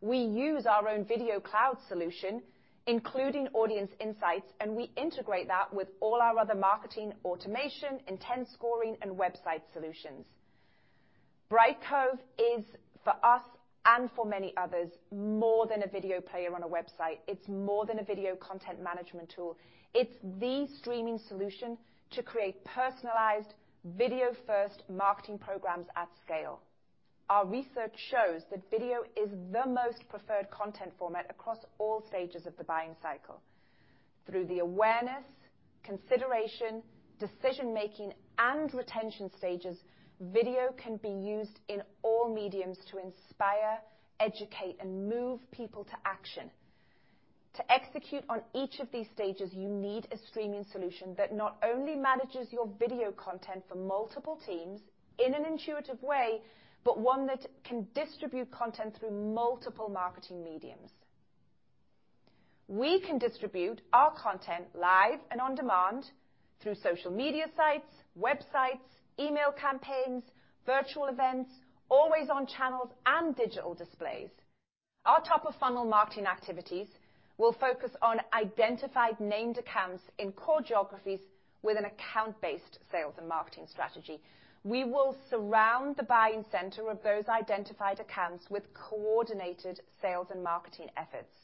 We use our own Video Cloud solution, including Audience Insights, and we integrate that with all our other marketing automation, intent scoring, and website solutions. Brightcove is for us and for many others, more than a video player on a website. It's more than a video content management tool. It's the streaming solution to create personalized video-first marketing programs at scale. Our research shows that video is the most preferred content format across all stages of the buying cycle. Through the awareness, consideration, decision-making, and retention stages, video can be used in all mediums to inspire, educate, and move people to action. To execute on each of these stages, you need a streaming solution that not only manages your video content for multiple teams in an intuitive way, but one that can distribute content through multiple marketing mediums. We can distribute our content live and on demand through social media sites, websites, email campaigns, virtual events, always-on channels, and digital displays. Our top-of-funnel marketing activities will focus on identified named accounts in core geographies with an account-based sales and marketing strategy. We will surround the buying center of those identified accounts with coordinated sales and marketing efforts.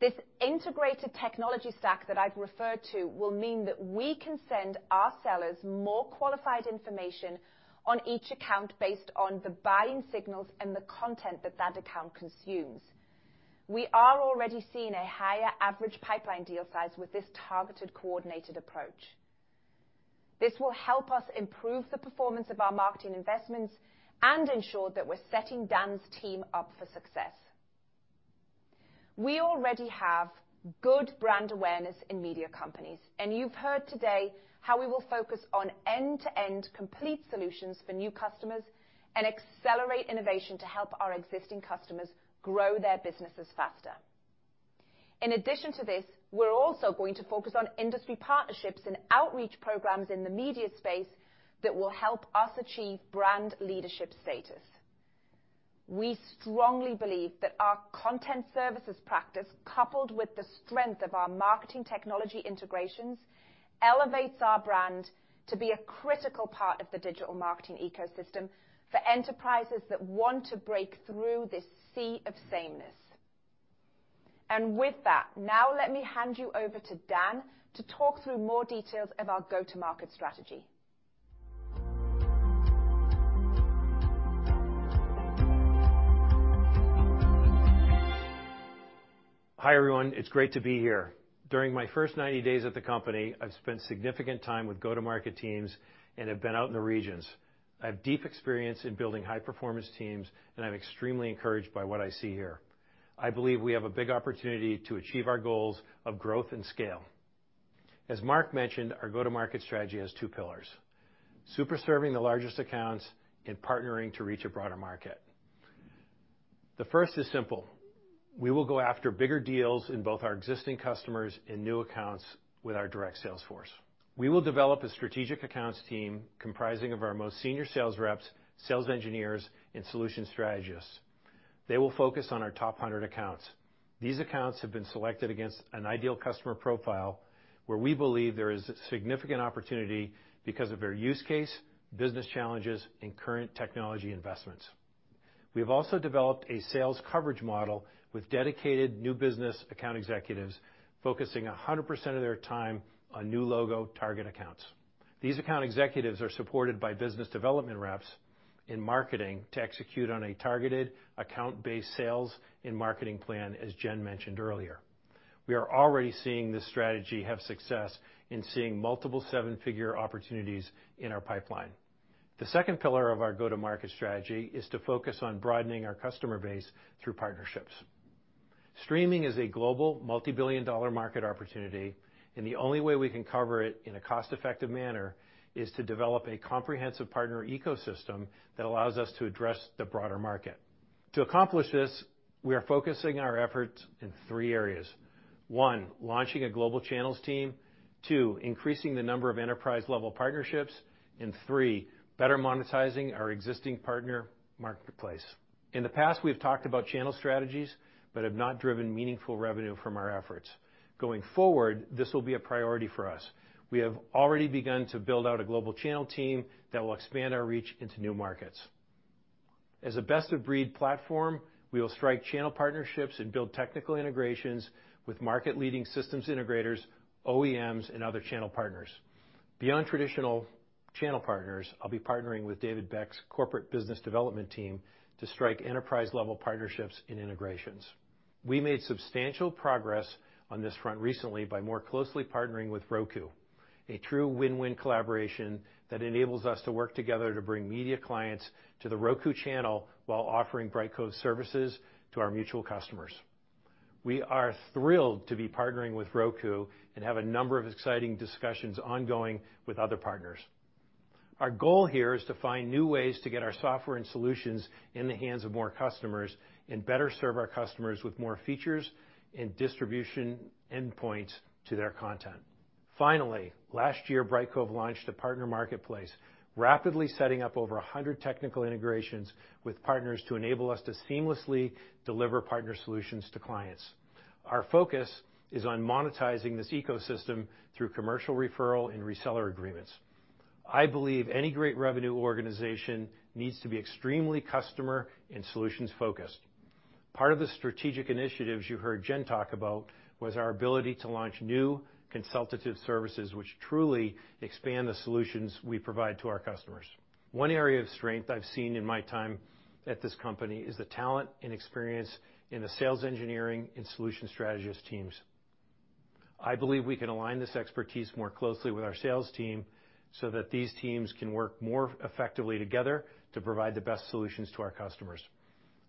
This integrated technology stack that I've referred to will mean that we can send our sellers more qualified information on each account based on the buying signals and the content that that account consumes. We are already seeing a higher average pipeline deal size with this targeted, coordinated approach. This will help us improve the performance of our marketing investments and ensure that we're setting Dan's team up for success. We already have good brand awareness in media companies, and you've heard today how we will focus on end-to-end complete solutions for new customers and accelerate innovation to help our existing customers grow their businesses faster. In addition to this, we're also going to focus on industry partnerships and outreach programs in the media space that will help us achieve brand leadership status. We strongly believe that our content services practice, coupled with the strength of our marketing technology integrations, elevates our brand to be a critical part of the digital marketing ecosystem for enterprises that want to break through this sea of sameness. With that, now let me hand you over to Dan to talk through more details of our go-to-market strategy. Hi, everyone. It's great to be here. During my first 90 days at the company, I've spent significant time with go-to-market teams and have been out in the regions. I have deep experience in building high-performance teams, and I'm extremely encouraged by what I see here. I believe we have a big opportunity to achieve our goals of growth and scale. As Marc mentioned, our go-to-market strategy has two pillars, super-serving the largest accounts and partnering to reach a broader market. The first is simple. We will go after bigger deals in both our existing customers and new accounts with our direct sales force. We will develop a strategic accounts team comprising of our most senior sales reps, sales engineers, and solution strategists. They will focus on our top 100 accounts. These accounts have been selected against an ideal customer profile where we believe there is significant opportunity because of their use case, business challenges, and current technology investments. We have also developed a sales coverage model with dedicated new business account executives focusing 100% of their time on new logo target accounts. These account executives are supported by business development reps in marketing to execute on a targeted account-based sales and marketing plan, as Jen mentioned earlier. We are already seeing this strategy have success in seeing multiple seven-figure opportunities in our pipeline. The second pillar of our go-to-market strategy is to focus on broadening our customer base through partnerships. Streaming is a global multi-billion-dollar market opportunity, and the only way we can cover it in a cost-effective manner is to develop a comprehensive partner ecosystem that allows us to address the broader market. To accomplish this, we are focusing our efforts in three areas. 1. Launching a global channels team. 2. Increasing the number of enterprise-level partnerships. 3. Better monetizing our existing partner marketplace. In the past, we have talked about channel strategies but have not driven meaningful revenue from our efforts. Going forward, this will be a priority for us. We have already begun to build out a global channel team that will expand our reach into new markets. As a best of breed platform, we will strike channel partnerships and build technical integrations with market leading systems integrators, OEMs, and other channel partners. Beyond traditional channel partners, I'll be partnering with David Beck's corporate business development team to strike enterprise-level partnerships and integrations. We made substantial progress on this front recently by more closely partnering with Roku, a true win-win collaboration that enables us to work together to bring media clients to The Roku Channel while offering Brightcove services to our mutual customers. We are thrilled to be partnering with Roku and have a number of exciting discussions ongoing with other partners. Our goal here is to find new ways to get our software and solutions in the hands of more customers and better serve our customers with more features and distribution endpoints to their content. Finally, last year, Brightcove launched a partner marketplace, rapidly setting up over 100 technical integrations with partners to enable us to seamlessly deliver partner solutions to clients. Our focus is on monetizing this ecosystem through commercial referral and reseller agreements. I believe any great revenue organization needs to be extremely customer and solutions-focused. Part of the strategic initiatives you heard Jen talk about was our ability to launch new consultative services, which truly expand the solutions we provide to our customers. One area of strength I've seen in my time at this company is the talent and experience in the sales engineering and solutions strategist teams. I believe we can align this expertise more closely with our sales team, so that these teams can work more effectively together to provide the best solutions to our customers.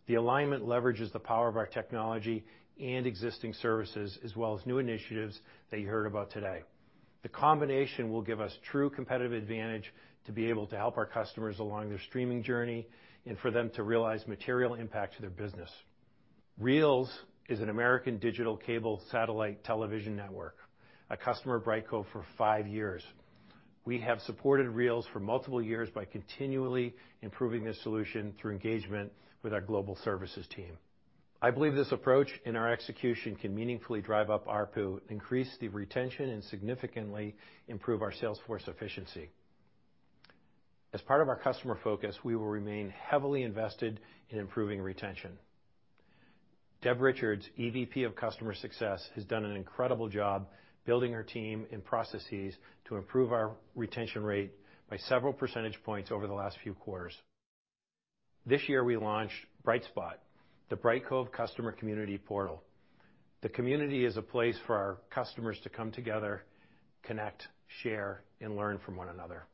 The alignment leverages the power of our technology and existing services, as well as new initiatives that you heard about today. The combination will give us true competitive advantage to be able to help our customers along their streaming journey and for them to realize material impact to their business. Reelz is an American digital cable and satellite television network, a customer of Brightcove for five years. We have supported Reelz for multiple years by continually improving this solution through engagement with our global services team. I believe this approach and our execution can meaningfully drive up ARPU, increase the retention, and significantly improve our sales force efficiency. As part of our customer focus, we will remain heavily invested in improving retention. Deb Richards, EVP of Global Customer Success, has done an incredible job building her team and processes to improve our retention rate by several percentage points over the last few quarters. This year, we launched Brightspot, the Brightcove customer community portal. The community is a place for our customers to come together, connect, share, and learn from one another.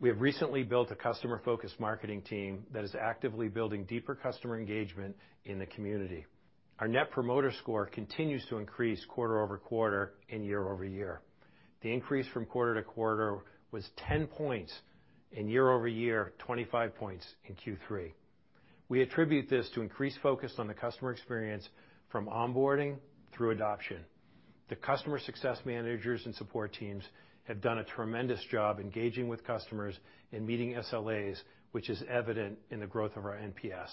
We have recently built a customer-focused marketing team that is actively building deeper customer engagement in the community. Our Net Promoter Score continues to increase quarter-over-quarter and year-over-year. The increase from quarter to quarter was 10 points and year over year, 25 points in Q3. We attribute this to increased focus on the customer experience from onboarding through adoption. The customer success managers and support teams have done a tremendous job engaging with customers and meeting SLAs, which is evident in the growth of our NPS.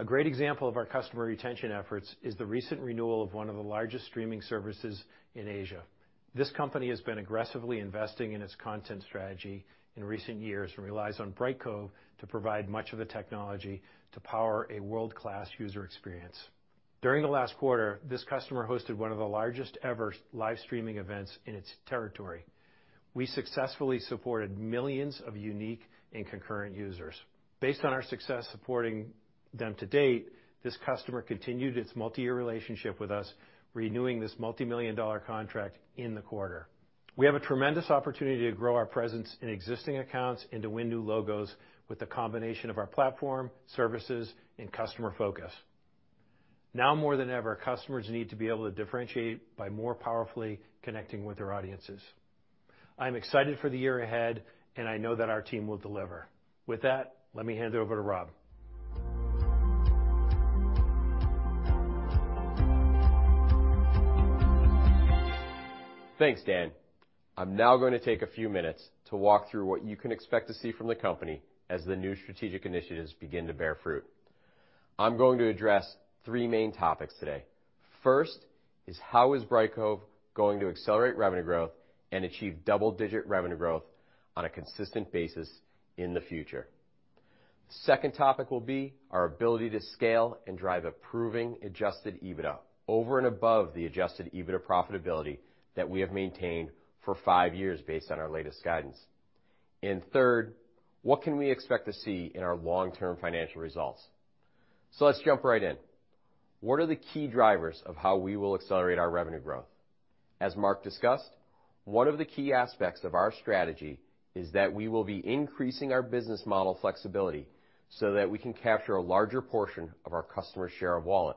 A great example of our customer retention efforts is the recent renewal of one of the largest streaming services in Asia. This company has been aggressively investing in its content strategy in recent years and relies on Brightcove to provide much of the technology to power a world-class user experience. During the last quarter, this customer hosted one of the largest ever live streaming events in its territory. We successfully supported millions of unique and concurrent users. Based on our success supporting them to date, this customer continued its multiyear relationship with us, renewing this multimillion-dollar contract in the quarter. We have a tremendous opportunity to grow our presence in existing accounts and to win new logos with the combination of our platform, services, and customer focus. Now more than ever, customers need to be able to differentiate by more powerfully connecting with their audiences. I'm excited for the year ahead, and I know that our team will deliver. With that, let me hand it over to Rob. Thanks, Dan. I'm now going to take a few minutes to walk through what you can expect to see from the company as the new strategic initiatives begin to bear fruit. I'm going to address three main topics today. First, how is Brightcove going to accelerate revenue growth and achieve double-digit revenue growth on a consistent basis in the future? Second topic will be our ability to scale and drive improving adjusted EBITDA over and above the adjusted EBITDA profitability that we have maintained for five years based on our latest guidance. Third, what can we expect to see in our long-term financial results? Let's jump right in. What are the key drivers of how we will accelerate our revenue growth? As Marc discussed, one of the key aspects of our strategy is that we will be increasing our business model flexibility so that we can capture a larger portion of our customer share of wallet.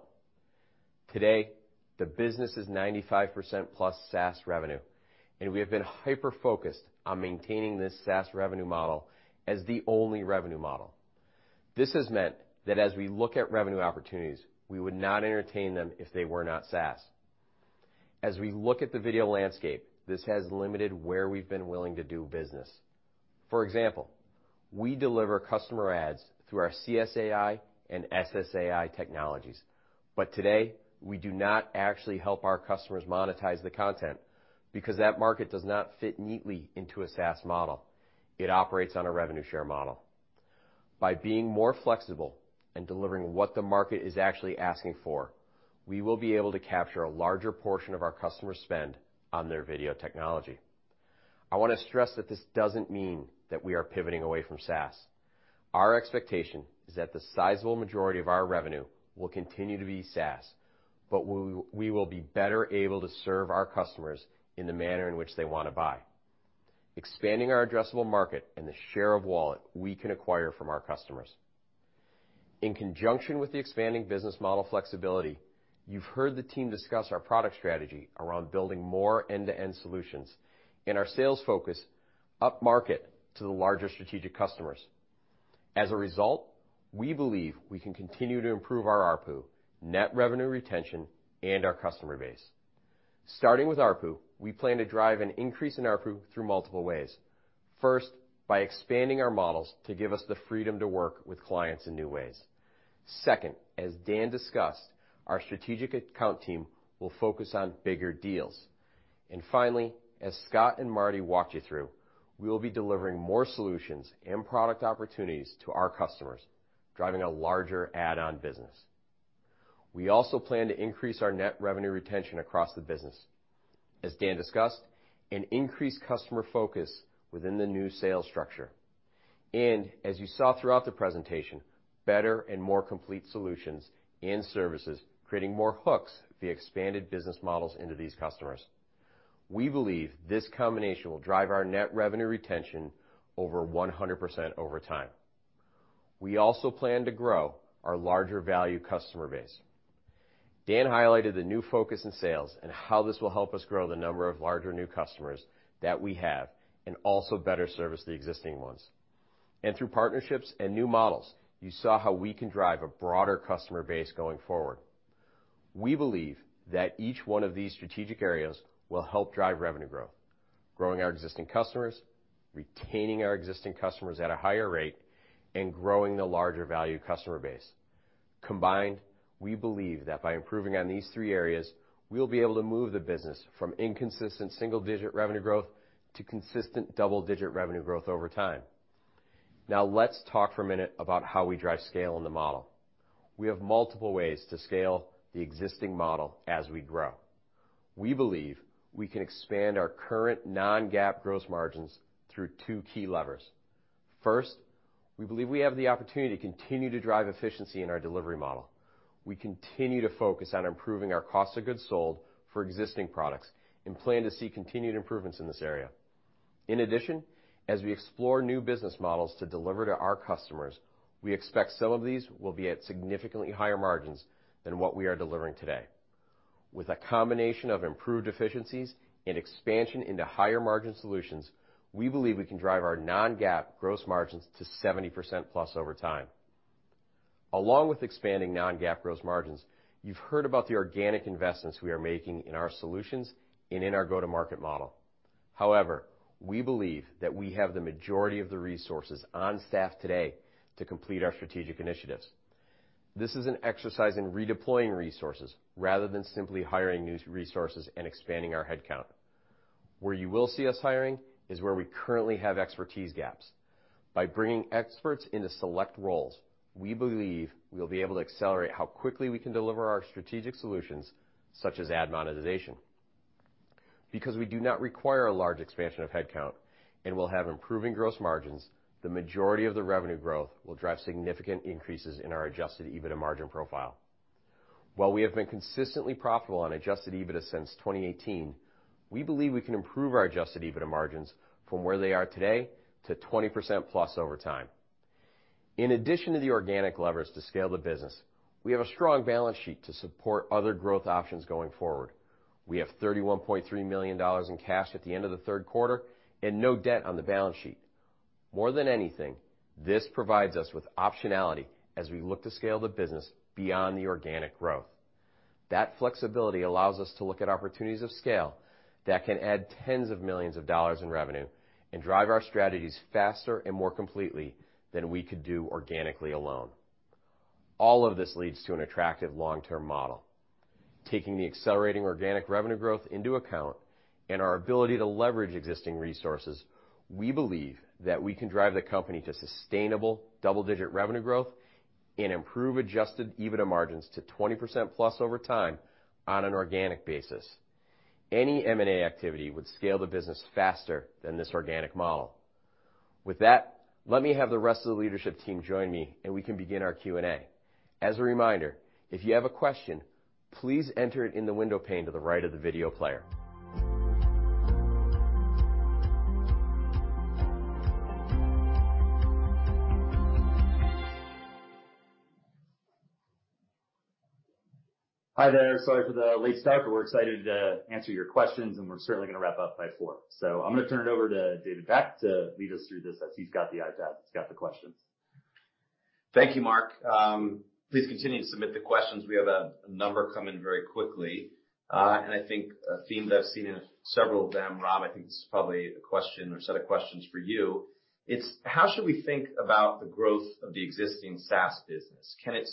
Today, the business is 95% plus SaaS revenue, and we have been hyper-focused on maintaining this SaaS revenue model as the only revenue model. This has meant that as we look at revenue opportunities, we would not entertain them if they were not SaaS. As we look at the video landscape, this has limited where we've been willing to do business. For example, we deliver customer ads through our CSAI and SSAI technologies. Today, we do not actually help our customers monetize the content because that market does not fit neatly into a SaaS model. It operates on a revenue share model. By being more flexible and delivering what the market is actually asking for, we will be able to capture a larger portion of our customer spend on their video technology. I wanna stress that this doesn't mean that we are pivoting away from SaaS. Our expectation is that the sizable majority of our revenue will continue to be SaaS, but we will be better able to serve our customers in the manner in which they wanna buy, expanding our addressable market and the share of wallet we can acquire from our customers. In conjunction with the expanding business model flexibility, you've heard the team discuss our product strategy around building more end-to-end solutions and our sales focus upmarket to the larger strategic customers. As a result, we believe we can continue to improve our ARPU, net revenue retention, and our customer base. Starting with ARPU, we plan to drive an increase in ARPU through multiple ways. First, by expanding our models to give us the freedom to work with clients in new ways. Second, as Dan discussed, our strategic account team will focus on bigger deals. Finally, as Scott and Marty walked you through, we will be delivering more solutions and product opportunities to our customers, driving a larger add-on business. We also plan to increase our net revenue retention across the business, as Dan discussed, an increased customer focus within the new sales structure. As you saw throughout the presentation, better and more complete solutions and services, creating more hooks, the expanded business models into these customers. We believe this combination will drive our net revenue retention over 100% over time. We also plan to grow our larger value customer base. Dan highlighted the new focus in sales and how this will help us grow the number of larger new customers that we have and also better service the existing ones. Through partnerships and new models, you saw how we can drive a broader customer base going forward. We believe that each one of these strategic areas will help drive revenue growth, growing our existing customers, retaining our existing customers at a higher rate, and growing the larger value customer base. Combined, we believe that by improving on these three areas, we'll be able to move the business from inconsistent single-digit revenue growth to consistent double-digit revenue growth over time. Now let's talk for a minute about how we drive scale in the model. We have multiple ways to scale the existing model as we grow. We believe we can expand our current non-GAAP gross margins through two key levers. First, we believe we have the opportunity to continue to drive efficiency in our delivery model. We continue to focus on improving our cost of goods sold for existing products and plan to see continued improvements in this area. In addition, as we explore new business models to deliver to our customers, we expect some of these will be at significantly higher margins than what we are delivering today. With a combination of improved efficiencies and expansion into higher margin solutions, we believe we can drive our non-GAAP gross margins to 70%+ over time. Along with expanding non-GAAP gross margins, you've heard about the organic investments we are making in our solutions and in our go-to-market model. However, we believe that we have the majority of the resources on staff today to complete our strategic initiatives. This is an exercise in redeploying resources rather than simply hiring new resources and expanding our headcount. Where you will see us hiring is where we currently have expertise gaps. By bringing experts into select roles, we believe we'll be able to accelerate how quickly we can deliver our strategic solutions, such as ad monetization. Because we do not require a large expansion of headcount and we'll have improving gross margins, the majority of the revenue growth will drive significant increases in our adjusted EBITDA margin profile. While we have been consistently profitable on adjusted EBITDA since 2018, we believe we can improve our adjusted EBITDA margins from where they are today to 20% plus over time. In addition to the organic levers to scale the business, we have a strong balance sheet to support other growth options going forward. We have $31.3 million in cash at the end of the third quarter and no debt on the balance sheet. More than anything, this provides us with optionality as we look to scale the business beyond the organic growth. That flexibility allows us to look at opportunities of scale that can add tens of millions of dollars in revenue and drive our strategies faster and more completely than we could do organically alone. All of this leads to an attractive long-term model. Taking the accelerating organic revenue growth into account and our ability to leverage existing resources, we believe that we can drive the company to sustainable double-digit revenue growth and improve adjusted EBITDA margins to 20%+ over time on an organic basis. Any M&A activity would scale the business faster than this organic model. With that, let me have the rest of the leadership team join me, and we can begin our Q&A. As a reminder, if you have a question, please enter it in the window pane to the right of the video player. Hi there. Sorry for the late start, but we're excited to answer your questions, and we're certainly gonna wrap up by four. I'm gonna turn it over to David Beck to lead us through this as he's got the iPad, he's got the questions. Thank you, Marc. Please continue to submit the questions. We have a number coming in very quickly. I think a theme that I've seen in several of them, Rob, I think this is probably a question or set of questions for you. It's how should we think about the growth of the existing SaaS business? Can it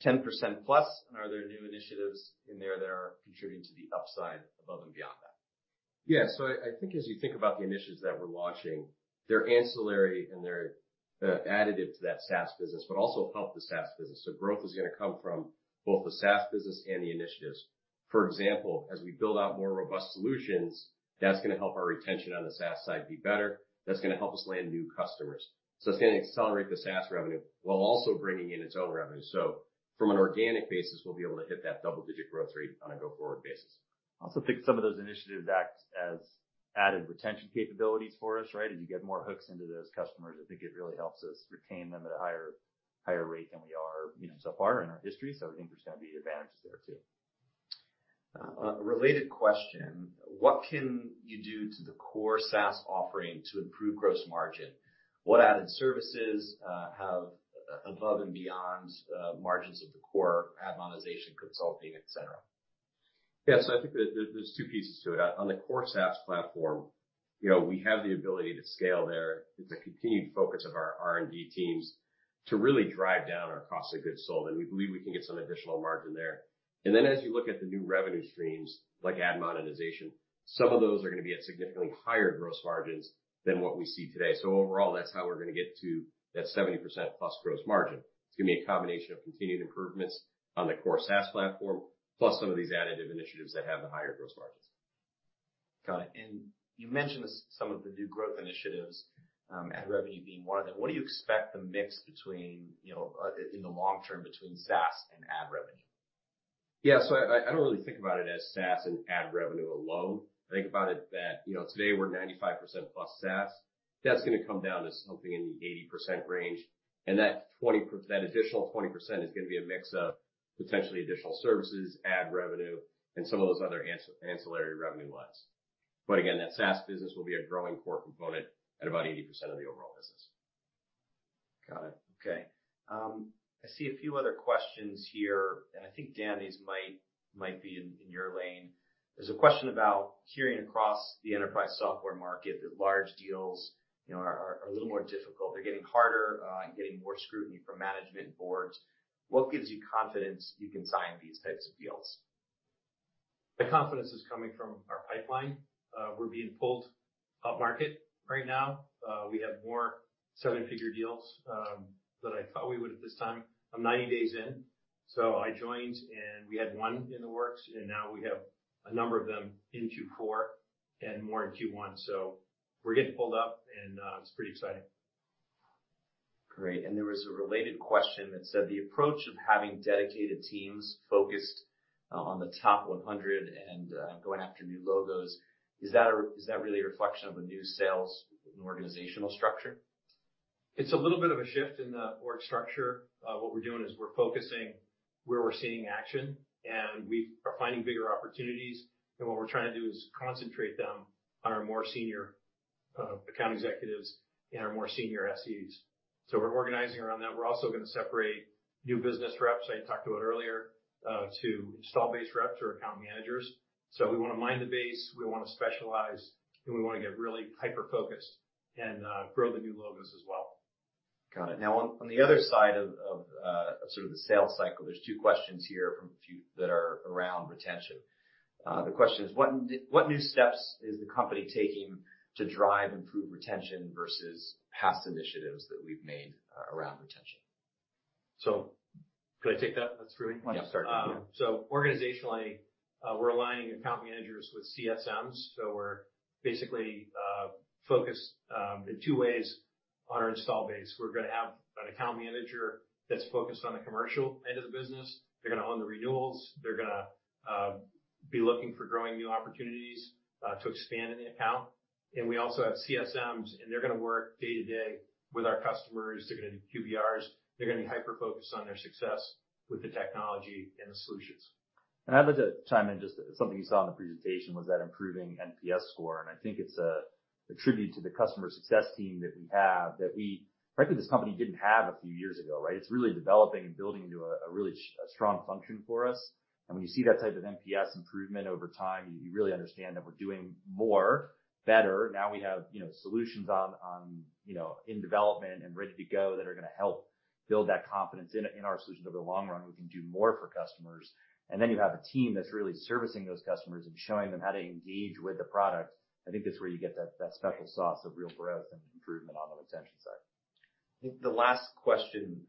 support 10%+? Are there new initiatives in there that are contributing to the upside above and beyond that? Yeah. I think as you think about the initiatives that we're launching, they're ancillary and they're additive to that SaaS business, but also help the SaaS business. Growth is gonna come from both the SaaS business and the initiatives. For example, as we build out more robust solutions, that's gonna help our retention on the SaaS side be better. That's gonna help us land new customers. It's gonna accelerate the SaaS revenue while also bringing in its own revenue. From an organic basis, we'll be able to hit that double-digit growth rate on a go-forward basis. I also think some of those initiatives act as added retention capabilities for us, right? As you get more hooks into those customers, I think it really helps us retain them at a higher rate than we are, you know, so far in our history. I think there's gonna be advantages there too. Related question, what can you do to the core SaaS offering to improve gross margin? What added services have above and beyond margins of the core ad monetization, consulting, et cetera? Yes. I think there's two pieces to it. On the core SaaS platform, you know, we have the ability to scale there. It's a continued focus of our R&D teams to really drive down our cost of goods sold, and we believe we can get some additional margin there. As you look at the new revenue streams, like ad monetization, some of those are gonna be at significantly higher gross margins than what we see today. Overall, that's how we're gonna get to that 70%+ gross margin. It's gonna be a combination of continued improvements on the core SaaS platform, plus some of these additive initiatives that have the higher gross margins. Got it. You mentioned this, some of the new growth initiatives, ad revenue being one of them. What do you expect the mix between, you know, in the long term between SaaS and ad revenue? Yeah. I don't really think about it as SaaS and ad revenue alone. I think about it that, you know, today we're 95% plus SaaS. That's gonna come down to something in the 80% range. That additional 20% is gonna be a mix of potentially additional services, ad revenue, and some of those other ancillary revenue wise. But again, that SaaS business will be a growing core component at about 80% of the overall business. Got it. Okay. I see a few other questions here, and I think, Dan, these might be in your lane. There's a question about hearing across the enterprise software market that large deals, you know, are a little more difficult. They're getting harder, and getting more scrutiny from management boards. What gives you confidence you can sign these types of deals? The confidence is coming from our pipeline. We're being pulled upmarket right now. We have more seven-figure deals than I thought we would at this time. I'm 90 days in. I joined, and we had one in the works, and now we have a number of them in Q4 and more in Q1. We're getting pulled up and it's pretty exciting. Great. There was a related question that said the approach of having dedicated teams focused on the top 100 and going after new logos. Is that really a reflection of a new sales and organizational structure? It's a little bit of a shift in the org structure. What we're doing is we're focusing where we're seeing action, and we are finding bigger opportunities. What we're trying to do is concentrate them on our more senior account executives and our more senior SEs. We're organizing around that. We're also gonna separate new business reps I talked about earlier to install base reps or account managers. We wanna mine the base, we wanna specialize, and we wanna get really hyper-focused and grow the new logos as well. Got it. Now on the other side of sort of the sales cycle, there's two questions here from a few that are around retention. The question is, what new steps is the company taking to drive improved retention versus past initiatives that we've made around retention? Could I take that? That's for me? Yeah, start. Yeah. So organizationally, we're aligning account managers with CSMs. We're basically focused in two ways on our install base. We're gonna have an account manager that's focused on the commercial end of the business. They're gonna own the renewals. They're gonna be looking for growing new opportunities to expand in the account. We also have CSMs, and they're gonna work day-to-day with our customers. They're gonna do QBRs. They're gonna be hyper-focused on their success with the technology and the solutions. I'd like to chime in. Just something you saw in the presentation was that improving NPS score, and I think it's a tribute to the customer success team that we have that we frankly, this company didn't have a few years ago, right? It's really developing and building into a really strong function for us. When you see that type of NPS improvement over time, you really understand that we're doing more better. Now we have, you know, solutions, you know, in development and ready to go that are gonna help build that confidence in our solution over the long run. We can do more for customers. Then you have a team that's really servicing those customers and showing them how to engage with the product. I think that's where you get that special sauce of real growth and improvement on the retention side. I think the last question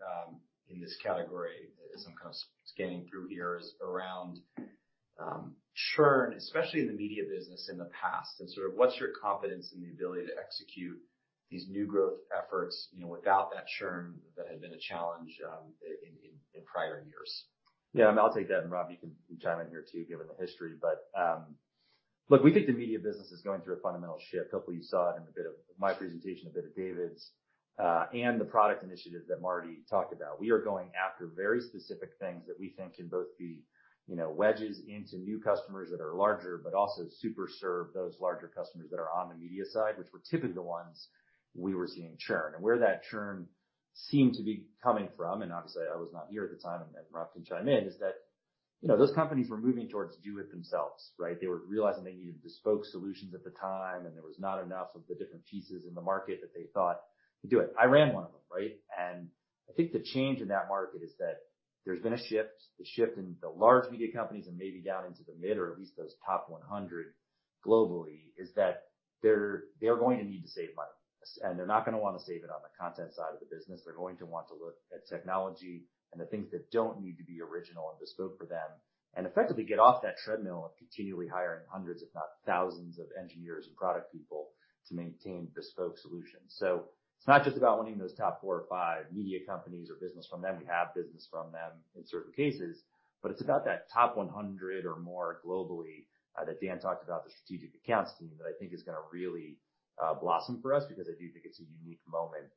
in this category as I'm kinda scanning through here is around churn, especially in the media business in the past and sort of what's your confidence in the ability to execute these new growth efforts, you know, without that churn that had been a challenge in prior years. Yeah, I'll take that. Rob, you can chime in here too, given the history. Look, we think the media business is going through a fundamental shift. Hopefully, you saw it in a bit of my presentation, a bit of David's, and the product initiative that Marty talked about. We are going after very specific things that we think can both be, you know, wedges into new customers that are larger, but also super serve those larger customers that are on the media side, which were typically the ones we were seeing churn. Where that churn seemed to be coming from, and obviously I was not here at the time, and then Rob can chime in, is that, you know, those companies were moving towards do it themselves, right? They were realizing they needed bespoke solutions at the time, and there was not enough of the different pieces in the market that they thought to do it. I ran one of them, right? I think the change in that market is that there's been a shift. The shift in the large media companies and maybe down into the mid or at least those top 100 globally, is that they're going to need to save money, and they're not gonna wanna save it on the content side of the business. They're going to want to look at technology and the things that don't need to be original and bespoke for them, and effectively get off that treadmill of continually hiring hundreds, if not thousands of engineers and product people to maintain bespoke solutions. It's not just about winning those top 4 or 5 media companies or business from them. We have business from them in certain cases, but it's about that top 100 or more globally, that Dan talked about, the strategic accounts team, that I think is gonna really, blossom for us because I do think it's a unique moment,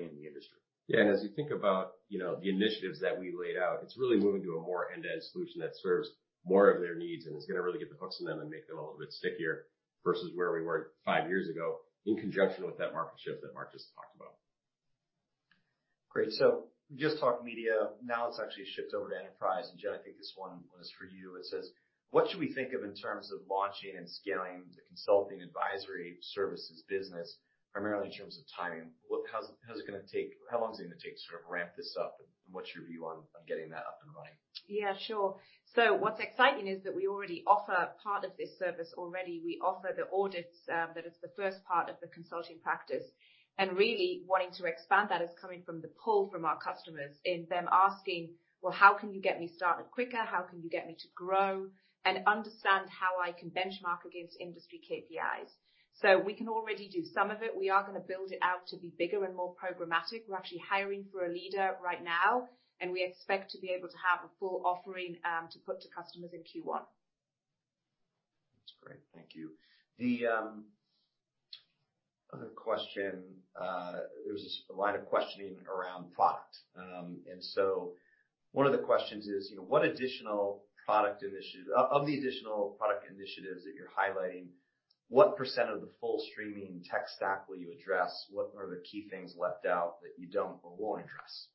in the industry. Yeah, and as you think about, you know, the initiatives that we laid out, it's really moving to a more end-to-end solution that serves more of their needs and is gonna really get the hooks in them and make them a little bit stickier versus where we were 5 years ago in conjunction with that market shift that Marc just talked about. Great. We just talked media. Now let's actually shift over to enterprise. Jen, I think this one was for you. It says, what should we think of in terms of launching and scaling the consulting advisory services business, primarily in terms of timing? How long is it gonna take to sort of ramp this up? What's your view on getting that up and running? Yeah, sure. What's exciting is that we already offer part of this service already. We offer the audits, that is the first part of the consulting practice. Really wanting to expand that is coming from the pull from our customers in them asking, "Well, how can you get me started quicker? How can you get me to grow and understand how I can benchmark against industry KPIs?" We can already do some of it. We are gonna build it out to be bigger and more programmatic. We're actually hiring for a leader right now, and we expect to be able to have a full offering, to put to customers in Q1. That's great. Thank you. The other question, there's a line of questioning around product. One of the questions is, you know, of the additional product initiatives that you're highlighting, what % of the full streaming tech stack will you address? What are the key things left out that you don't or won't address?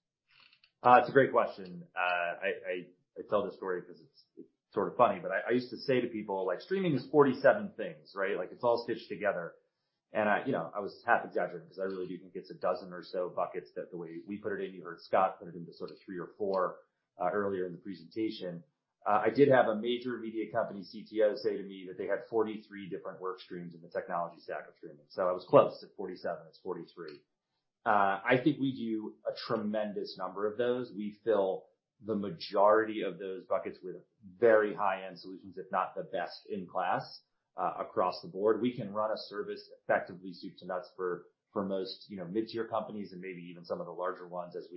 It's a great question. I tell this story 'cause it's sort of funny, but I used to say to people like, streaming is 47 things, right? Like, it's all stitched together. You know, I was half exaggerating 'cause I really do think it's a dozen or so buckets that the way we put it in, you heard Scott put it into sort of three or four, earlier in the presentation. I did have a major media company CTO say to me that they had 43 different work streams in the technology stack of streaming. I was close to 47. It's 43. I think we do a tremendous number of those. We fill the majority of those buckets with very high-end solutions, if not the best in class, across the board. We can run a service effectively soup to nuts for most, you know, mid-tier companies and maybe even some of the larger ones as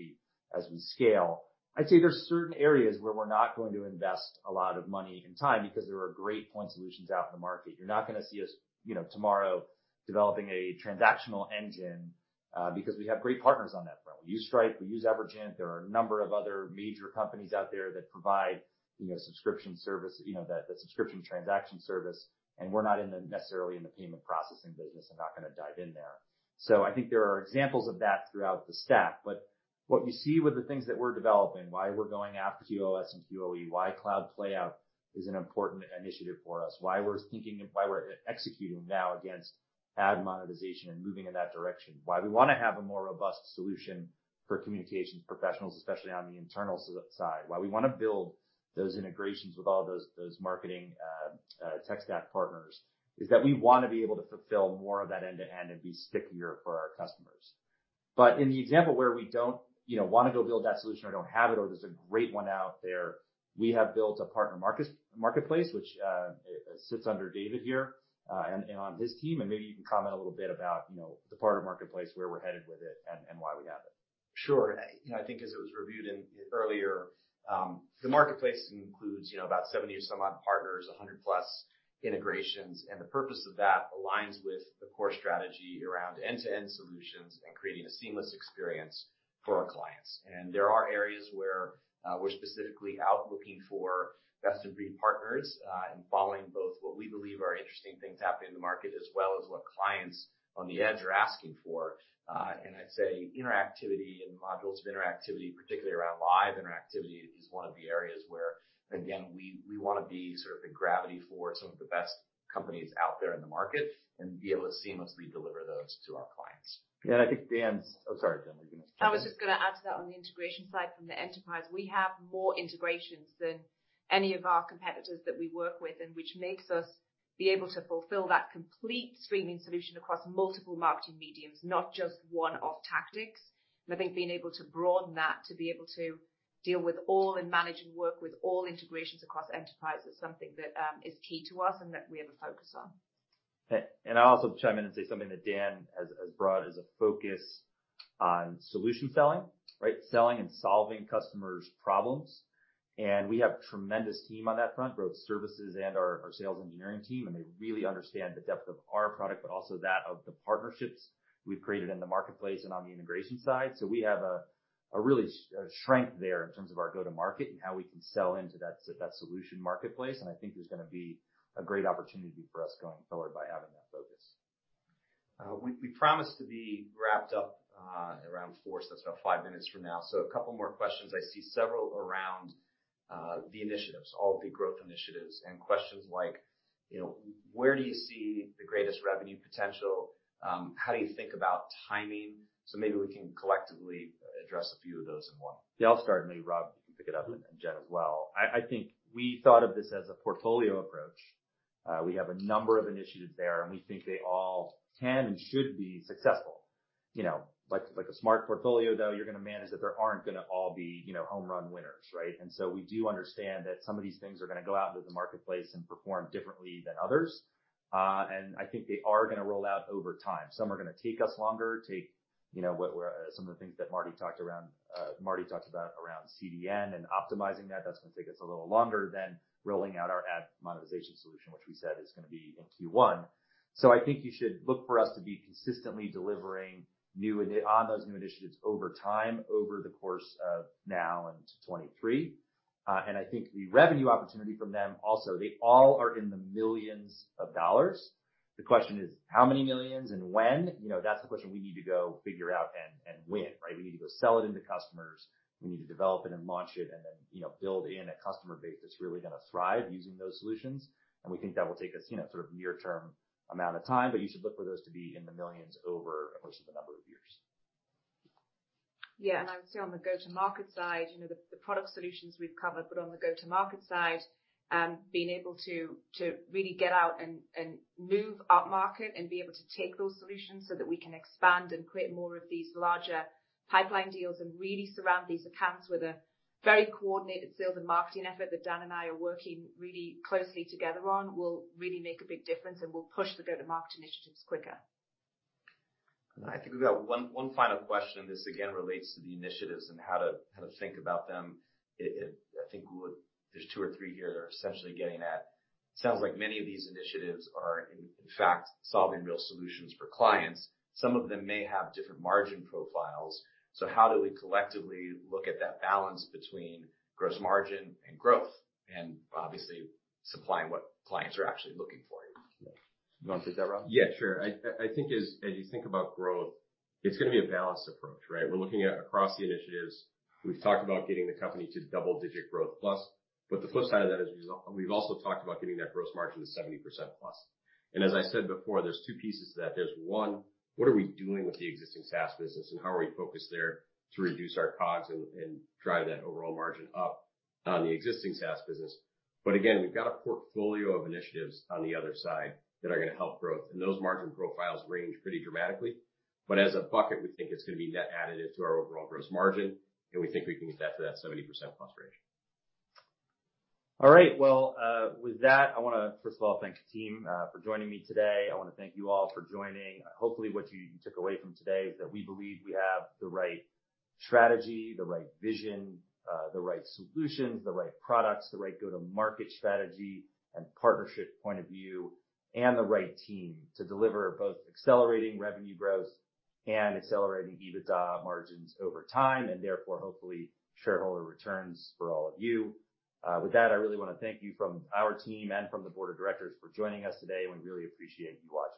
we scale. I'd say there's certain areas where we're not going to invest a lot of money and time because there are great point solutions out in the market. You're not gonna see us, you know, tomorrow developing a transactional engine, because we have great partners on that front. We use Stripe. We use Evergent. There are a number of other major companies out there that provide, you know, subscription service, you know, the subscription transaction service, and we're not necessarily in the payment processing business and not gonna dive in there. I think there are examples of that throughout the stack. What you see with the things that we're developing, why we're going after QOS and QoE, why cloud playout is an important initiative for us, why we're thinking and why we're executing now against ad monetization and moving in that direction, why we wanna have a more robust solution for communications professionals, especially on the internal side, why we wanna build those integrations with all those marketing tech stack partners, is that we wanna be able to fulfill more of that end-to-end and be stickier for our customers. In the example where we don't, you know, wanna go build that solution or don't have it, or there's a great one out there, we have built a partner marketplace, which sits under David here, and on his team, and maybe you can comment a little bit about, you know, the partner marketplace, where we're headed with it and why we have it. Sure. You know, I think as it was reviewed earlier, the marketplace includes, you know, about 70-some-odd partners, 100+ integrations. The purpose of that aligns with the core strategy around end-to-end solutions and creating a seamless experience for our clients. There are areas where we're specifically out looking for best-in-breed partners, and following both what we believe are interesting things happening in the market as well as what clients on the edge are asking for. I'd say interactivity and modules of interactivity, particularly around live interactivity, is one of the areas where, again, we wanna be sort of the gravity for some of the best companies out there in the market and be able to seamlessly deliver those to our clients. Yeah, I think Dan's. Oh, sorry, Jen. You were gonna. I was just gonna add to that. On the integration side from the enterprise, we have more integrations than any of our competitors that we work with, and which makes us be able to fulfill that complete streaming solution across multiple marketing mediums, not just one-off tactics. I think being able to broaden that, to be able to deal with all and manage and work with all integrations across enterprise is something that is key to us and that we have a focus on. I'll also chime in and say something that Dan has brought is a focus on solution selling, right? Selling and solving customers' problems. We have tremendous team on that front, both services and our sales engineering team, and they really understand the depth of our product, but also that of the partnerships we've created in the marketplace and on the integration side. We have a really strength there in terms of our go-to-market and how we can sell into that solution marketplace. I think there's gonna be a great opportunity for us going forward by having that focus. We promise to be wrapped up around four, so that's about five minutes from now. A couple more questions. I see several around the initiatives, all of the growth initiatives, and questions like, you know, where do you see the greatest revenue potential? How do you think about timing? Maybe we can collectively address a few of those in one. Yeah, I'll start and maybe, Rob, you can pick it up, and Jen as well. I think we thought of this as a portfolio approach. We have a number of initiatives there, and we think they all can and should be successful. You know, like a smart portfolio, though, you're gonna manage that there aren't gonna all be, you know, home run winners, right? We do understand that some of these things are gonna go out into the marketplace and perform differently than others. I think they are gonna roll out over time. Some are gonna take us longer, you know, some of the things that Marty talked about around CDN and optimizing that's gonna take us a little longer than rolling out our ad monetization solution, which we said is gonna be in Q1. I think you should look for us to be consistently delivering on those new initiatives over time, over the course of now into 2023. I think the revenue opportunity from them also, they all are in the millions of dollars. The question is how many millions and when? You know, that's the question we need to go figure out and win, right? We need to go sell it into customers. We need to develop it and launch it and then, you know, build in a customer base that's really gonna thrive using those solutions. We think that will take us, you know, sort of near term amount of time, but you should look for those to be in the millions over a course of a number of years. Yeah, I would say on the go-to-market side, you know, the product solutions we've covered, but on the go-to-market side, being able to really get out and move upmarket and be able to take those solutions so that we can expand and create more of these larger pipeline deals and really surround these accounts with a very coordinated sales and marketing effort that Dan and I are working really closely together on, will really make a big difference and will push the go-to-market initiatives quicker. I think we've got one final question, and this again relates to the initiatives and how to think about them. There's two or three here that are essentially getting at. Sounds like many of these initiatives are, in fact, solving real solutions for clients. Some of them may have different margin profiles. How do we collectively look at that balance between gross margin and growth and obviously supplying what clients are actually looking for? You wanna take that, Rob? Yeah, sure. I think as you think about growth, it's gonna be a balanced approach, right? We're looking at across the initiatives. We've talked about getting the company to double-digit growth+. The flip side of that is we've also talked about getting that gross margin to 70%+. As I said before, there's two pieces to that. There's, one, what are we doing with the existing SaaS business and how are we focused there to reduce our costs and drive that overall margin up on the existing SaaS business. Again, we've got a portfolio of initiatives on the other side that are gonna help growth. Those margin profiles range pretty dramatically. As a bucket, we think it's gonna be net additive to our overall gross margin, and we think we can get that to that 70% plus range. All right. Well, with that, I wanna, first of all, thank the team for joining me today. I wanna thank you all for joining. Hopefully, what you took away from today is that we believe we have the right strategy, the right vision, the right solutions, the right products, the right go-to-market strategy and partnership point of view, and the right team to deliver both accelerating revenue growth and accelerating EBITDA margins over time, and therefore, hopefully, shareholder returns for all of you. With that, I really wanna thank you from our team and from the board of directors for joining us today. We really appreciate you watching.